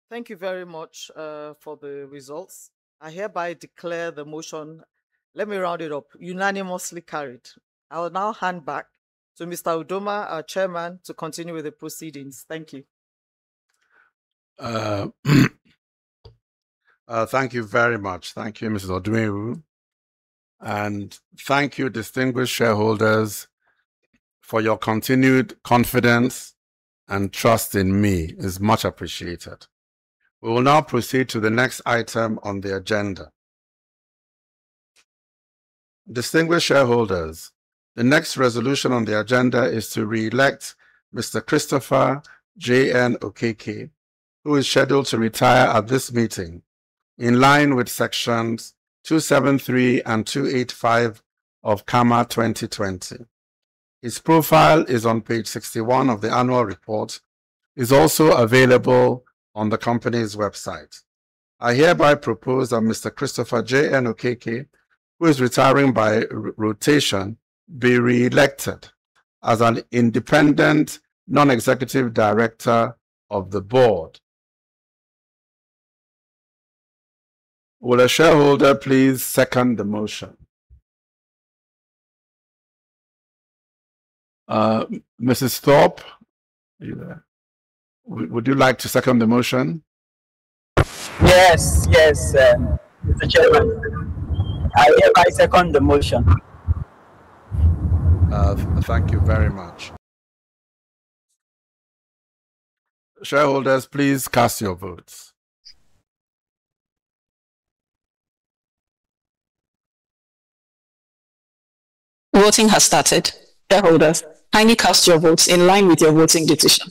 Thank you very much for the results. I hereby declare the motion, let me round it up, unanimously carried. I will now hand back to Mr. Udoma, our Chairman, to continue with the proceedings. Thank you. Thank you very much. Thank you, Mrs. Odunewu. Thank you, distinguished shareholders, for your continued confidence and trust in me. It's much appreciated. We will now proceed to the next item on the agenda. Distinguished shareholders, the next resolution on the agenda is to re-elect Mr. Christopher J. N. Okeke, who is scheduled to retire at this meeting, in line with Sections 273 and 285 of CAMA 2020. His profile is on page 61 of the Annual Report. He's also available on the company's website. I hereby propose that Mr. Christopher J. N. Okeke, who is retiring by rotation, be re-elected as an Independent Non-Executive Director of the Board. Will a shareholder please second the motion? Mrs. Thorpe, are you there? Would you like to second the motion? Yes, Mr. Chairman. I hereby second the motion. Thank you very much. Shareholders, please cast your votes. Voting has started. Shareholders, kindly cast your votes in line with your voting decision.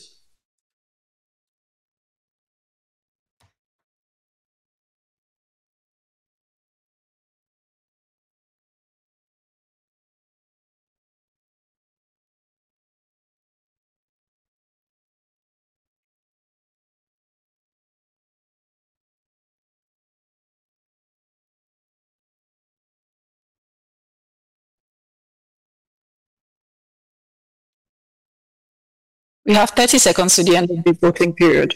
We have 30 seconds to the end of the voting period.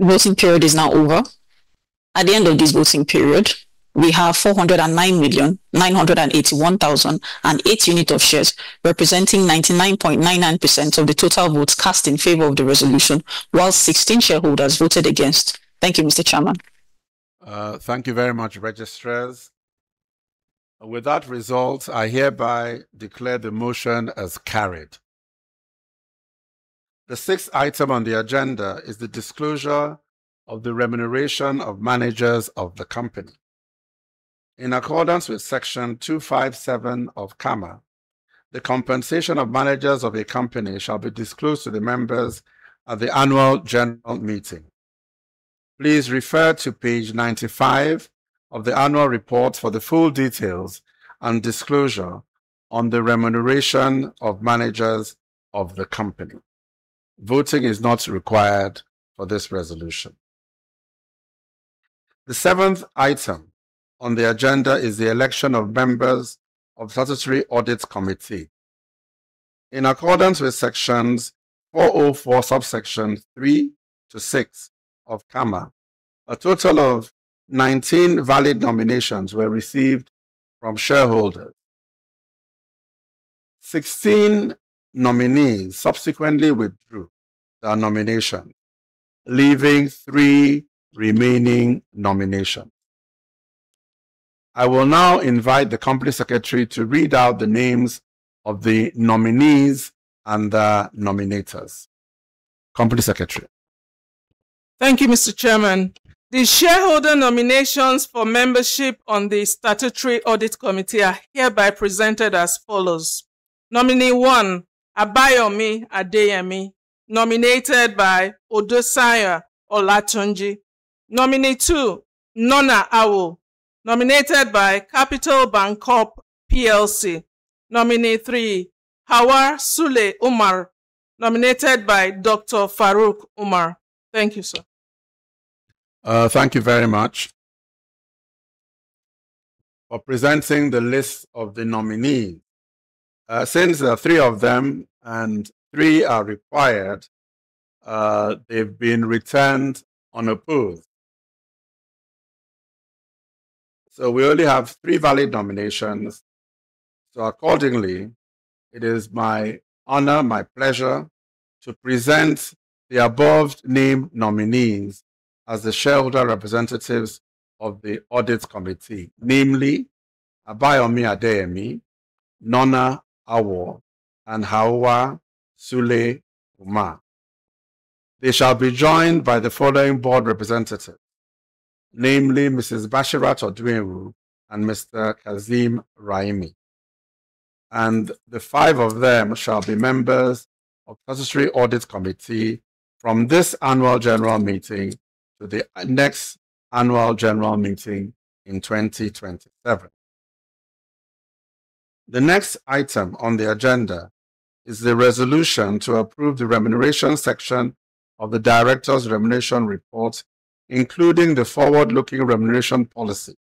Voting period is now over. At the end of this voting period, we have 409,981,008 unit of shares, representing 99.99% of the total votes cast in favor of the resolution, while 16 shareholders voted against. Thank you, Mr. Chairman. Thank you very much, registrars. With that result, I hereby declare the motion as carried. The sixth item on the agenda is the disclosure of the remuneration of managers of the company. In accordance with Section 257 of CAMA, the compensation of managers of a company shall be disclosed to the members at the Annual General Meeting. Please refer to page 95 of the Annual Report for the full details and disclosure on the remuneration of managers of the company. Voting is not required for this resolution. The seventh item on the agenda is the election of members of Statutory Audit Committee. In accordance with Sections 404, Subsections 3-6 of CAMA, a total of 19 valid nominations were received from shareholders. 16 nominees subsequently withdrew their nomination, leaving three remaining nominations. I will now invite the Company Secretary to read out the names of the nominees and their nominators. Company Secretary? Thank you, Mr. Chairman. The shareholder nominations for membership on the Statutory Audit Committee are hereby presented as follows. Nominee one, Abayomi Adeyemi, nominated by Odesanya, Olatunji. Nominee two, Nornah Awoh, nominated by Capital Bancorp Plc. Nominee three, Hauwa Sule Umar, nominated by Dr. Faruk Umar. Thank you, sir. Thank you very much for presenting the list of the nominees. Since there are three of them and three are required, they've been returned unopposed. We only have three valid nominations. Accordingly, it is my honor, my pleasure, to present the above-named nominees as the shareholder representatives of the Audit Committee, namely Abayomi Adeyemi, Nornah Awoh, and Hauwa Sule Umar. They shall be joined by the following Board representatives, namely Mrs. Bashirat Odunewu and Mr. Kazeem Raimi. The five of them shall be members of the Statutory Audit Committee from this Annual General Meeting to the next Annual General Meeting in 2027. The next item on the agenda is the resolution to approve the Remuneration section of the Directors' Remuneration Report, including the forward-looking Remuneration Policy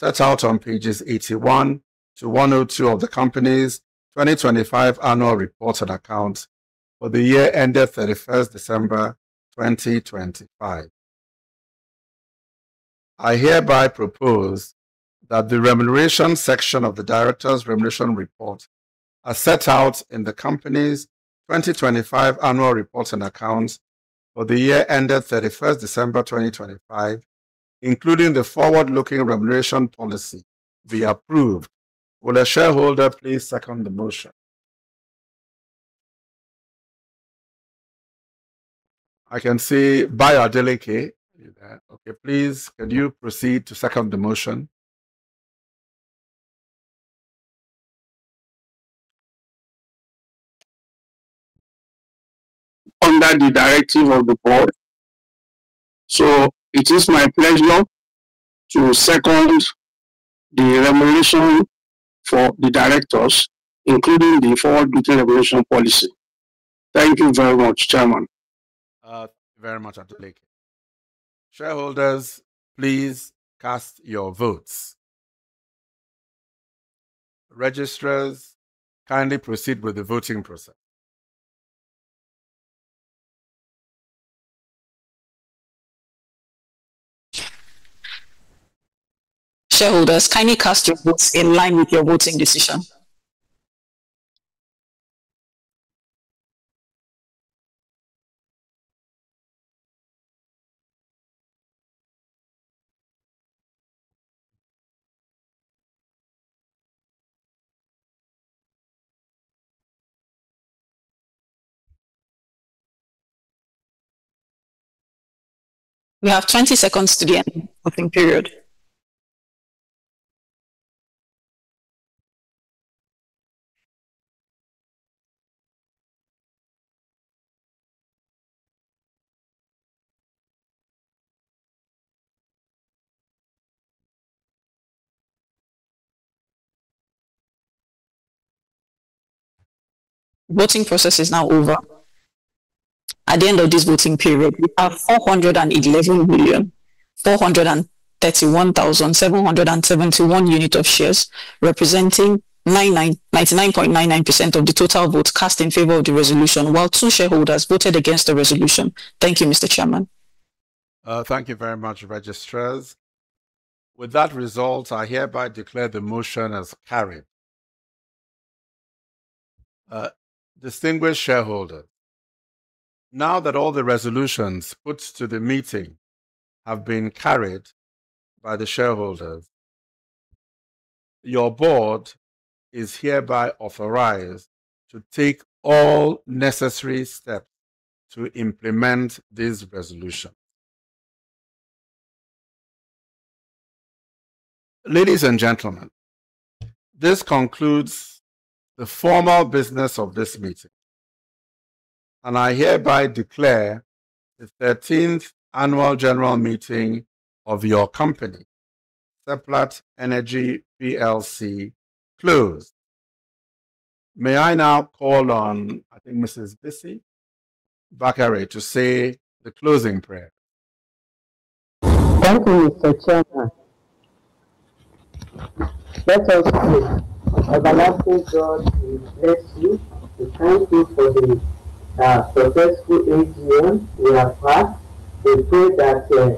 set out on pages 81-102 of the company's 2025 Annual Report and Accounts for the year ended 31st December 2025. I hereby propose that the Remuneration section of the Directors' Remuneration Report, as set out in the company's 2025 Annual Report and Accounts for the year ended 31st December 2025, including the forward-looking Remuneration Policy, be approved. Will a shareholder please second the motion? I can see Adebayo, Adeleke. Are you there? Okay, please can you proceed to second the motion? Under the directive of the Board, so, it is my pleasure to second the remuneration for the directors, including the forward-looking Remuneration Policy. Thank you very much, Chairman. Thank you very much, Adeleke. Shareholders, please cast your votes. Registrars, kindly proceed with the voting process. Shareholders, kindly cast your votes in line with your voting decision. You have 20 seconds to the end of the period. Voting process is now over. At the end of this voting period, we have 411,431,771 unit of shares, representing 99.99% of the total votes cast in favor of the resolution, while two shareholders voted against the resolution. Thank you, Mr. Chairman. Thank you very much, registrars. With that result, I hereby declare the motion as carried. Distinguished shareholders, now that all the resolutions put to the meeting have been carried by the shareholders, your Board is hereby authorized to take all necessary steps to implement this resolution. Ladies and gentlemen, this concludes the formal business of this meeting, and I hereby declare the 13th Annual General Meeting of your company, Seplat Energy Plc, closed. May I now call on, I think, Mrs. Bisi Bakare to say the closing prayer. Thank you, Mr. Chairman. Let us pray. Everlasting God, we bless you. We thank you for the successful AGM we have had. We pray that going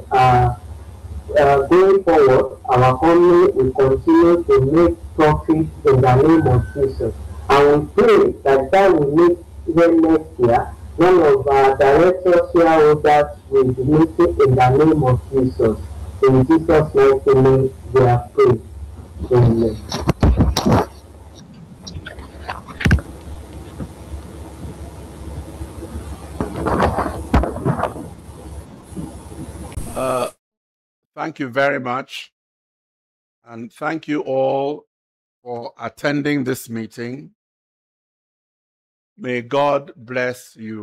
forward, our company will continue to make profit in the name of Jesus. We pray that by we meet here next year, one of our director shareholders will be meeting in the name of Jesus. In Jesus' wonderful name we have prayed. Amen. Thank you very much. Thank you all for attending this meeting. May God bless you.